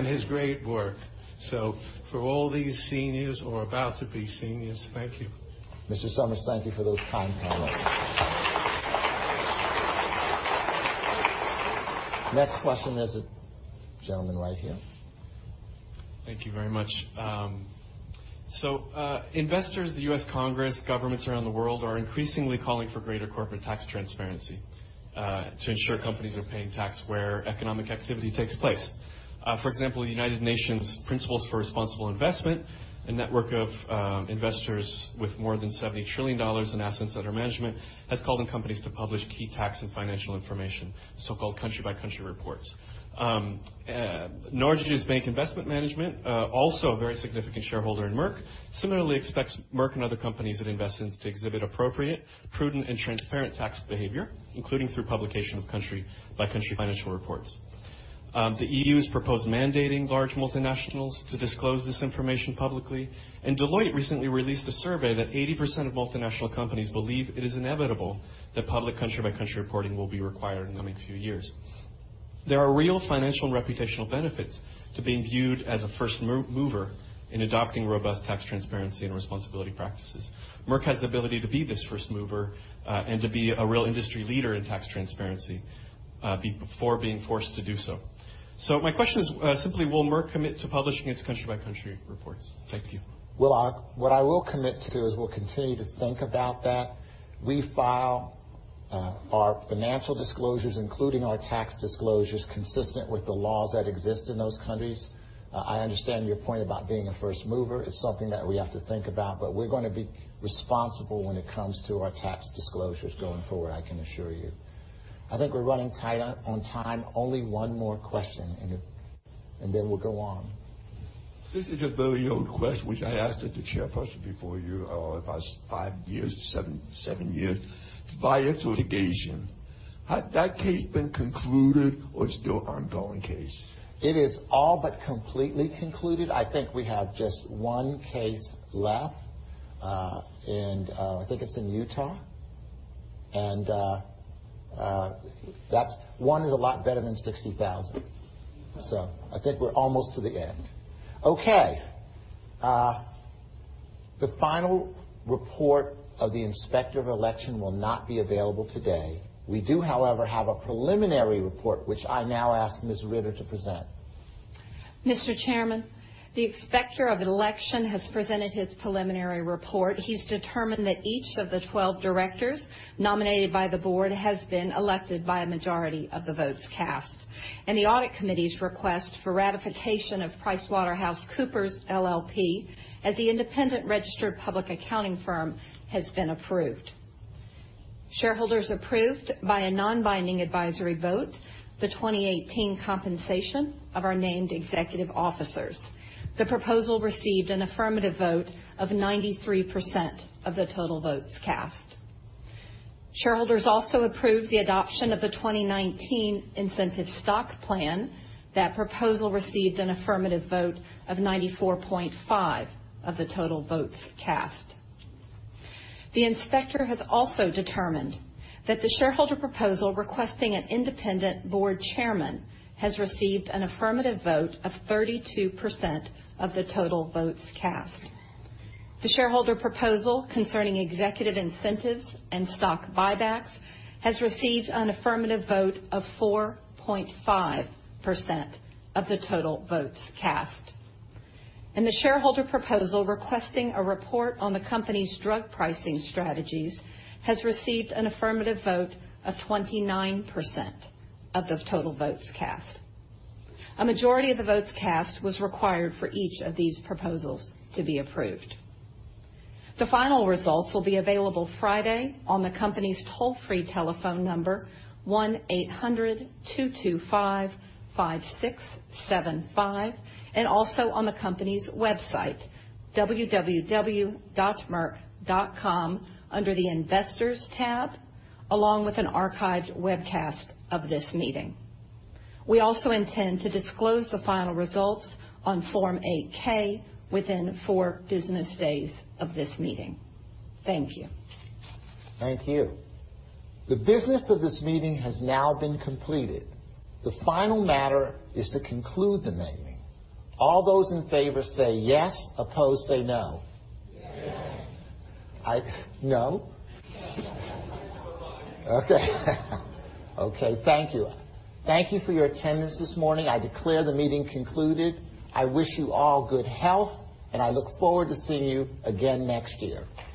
His great work. For all these seniors who are about to be seniors, thank you. Mr. Summers, thank you for those kind comments. Next question, there's a gentleman right here. Thank you very much. Investors, the U.S. Congress, governments around the world are increasingly calling for greater corporate tax transparency, to ensure companies are paying tax where economic activity takes place. For example, the United Nations Principles for Responsible Investment, a network of investors with more than $70 trillion in assets under management, has called on companies to publish key tax and financial information, so-called country-by-country reports. Norges Bank Investment Management, also a very significant shareholder in Merck, similarly expects Merck and other companies it invests in to exhibit appropriate, prudent, and transparent tax behavior, including through publication of country-by-country financial reports. The EU has proposed mandating large multinationals to disclose this information publicly. Deloitte recently released a survey that 80% of multinational companies believe it is inevitable that public country-by-country reporting will be required in the coming few years. There are real financial and reputational benefits to being viewed as a first mover in adopting robust tax transparency and responsibility practices. Merck has the ability to be this first mover, and to be a real industry leader in tax transparency, before being forced to do so. My question is simply, will Merck commit to publishing its country-by-country reports? Thank you. What I will commit to do is we'll continue to think about that. We file our financial disclosures, including our tax disclosures, consistent with the laws that exist in those countries. I understand your point about being a first mover. It's something that we have to think about, but we're going to be responsible when it comes to our tax disclosures going forward, I can assure you. I think we're running tight on time. Only one more question and then we'll go on. This is a very old question which I asked the chairperson before you, about five years or seven years. Vioxx litigation, had that case been concluded or it's still ongoing case? It is all but completely concluded. I think we have just one case left, and I think it's in Utah. One is a lot better than 60,000. I think we're almost to the end. Okay. The final report of the Inspector of Election will not be available today. We do, however, have a preliminary report which I now ask Ms. Ritter to present. Mr. Chairman, the Inspector of Election has presented his preliminary report. He's determined that each of the 12 directors nominated by the board has been elected by a majority of the votes cast. The audit committee's request for ratification of PricewaterhouseCoopers LLP as the independent registered public accounting firm has been approved. Shareholders approved by a non-binding advisory vote the 2018 compensation of our named executive officers. The proposal received an affirmative vote of 93% of the total votes cast. Shareholders also approved the adoption of the 2019 incentive stock plan. That proposal received an affirmative vote of 94.5% of the total votes cast. The inspector has also determined that the shareholder proposal requesting an independent board chairman has received an affirmative vote of 32% of the total votes cast. The shareholder proposal concerning executive incentives and stock buybacks has received an affirmative vote of 4.5% of the total votes cast. The shareholder proposal requesting a report on the company's drug pricing strategies has received an affirmative vote of 29% of the total votes cast. A majority of the votes cast was required for each of these proposals to be approved. The final results will be available Friday on the company's toll-free telephone number 1-800-225-5675 and also on the company's website www.merck.com under the Investors tab, along with an archived webcast of this meeting. We also intend to disclose the final results on Form 8-K within four business days of this meeting. Thank you. Thank you. The business of this meeting has now been completed. The final matter is to conclude the meeting. All those in favor say yes, opposed say no. Yes. No? Okay. Okay, thank you. Thank you for your attendance this morning. I declare the meeting concluded. I wish you all good health, and I look forward to seeing you again next year.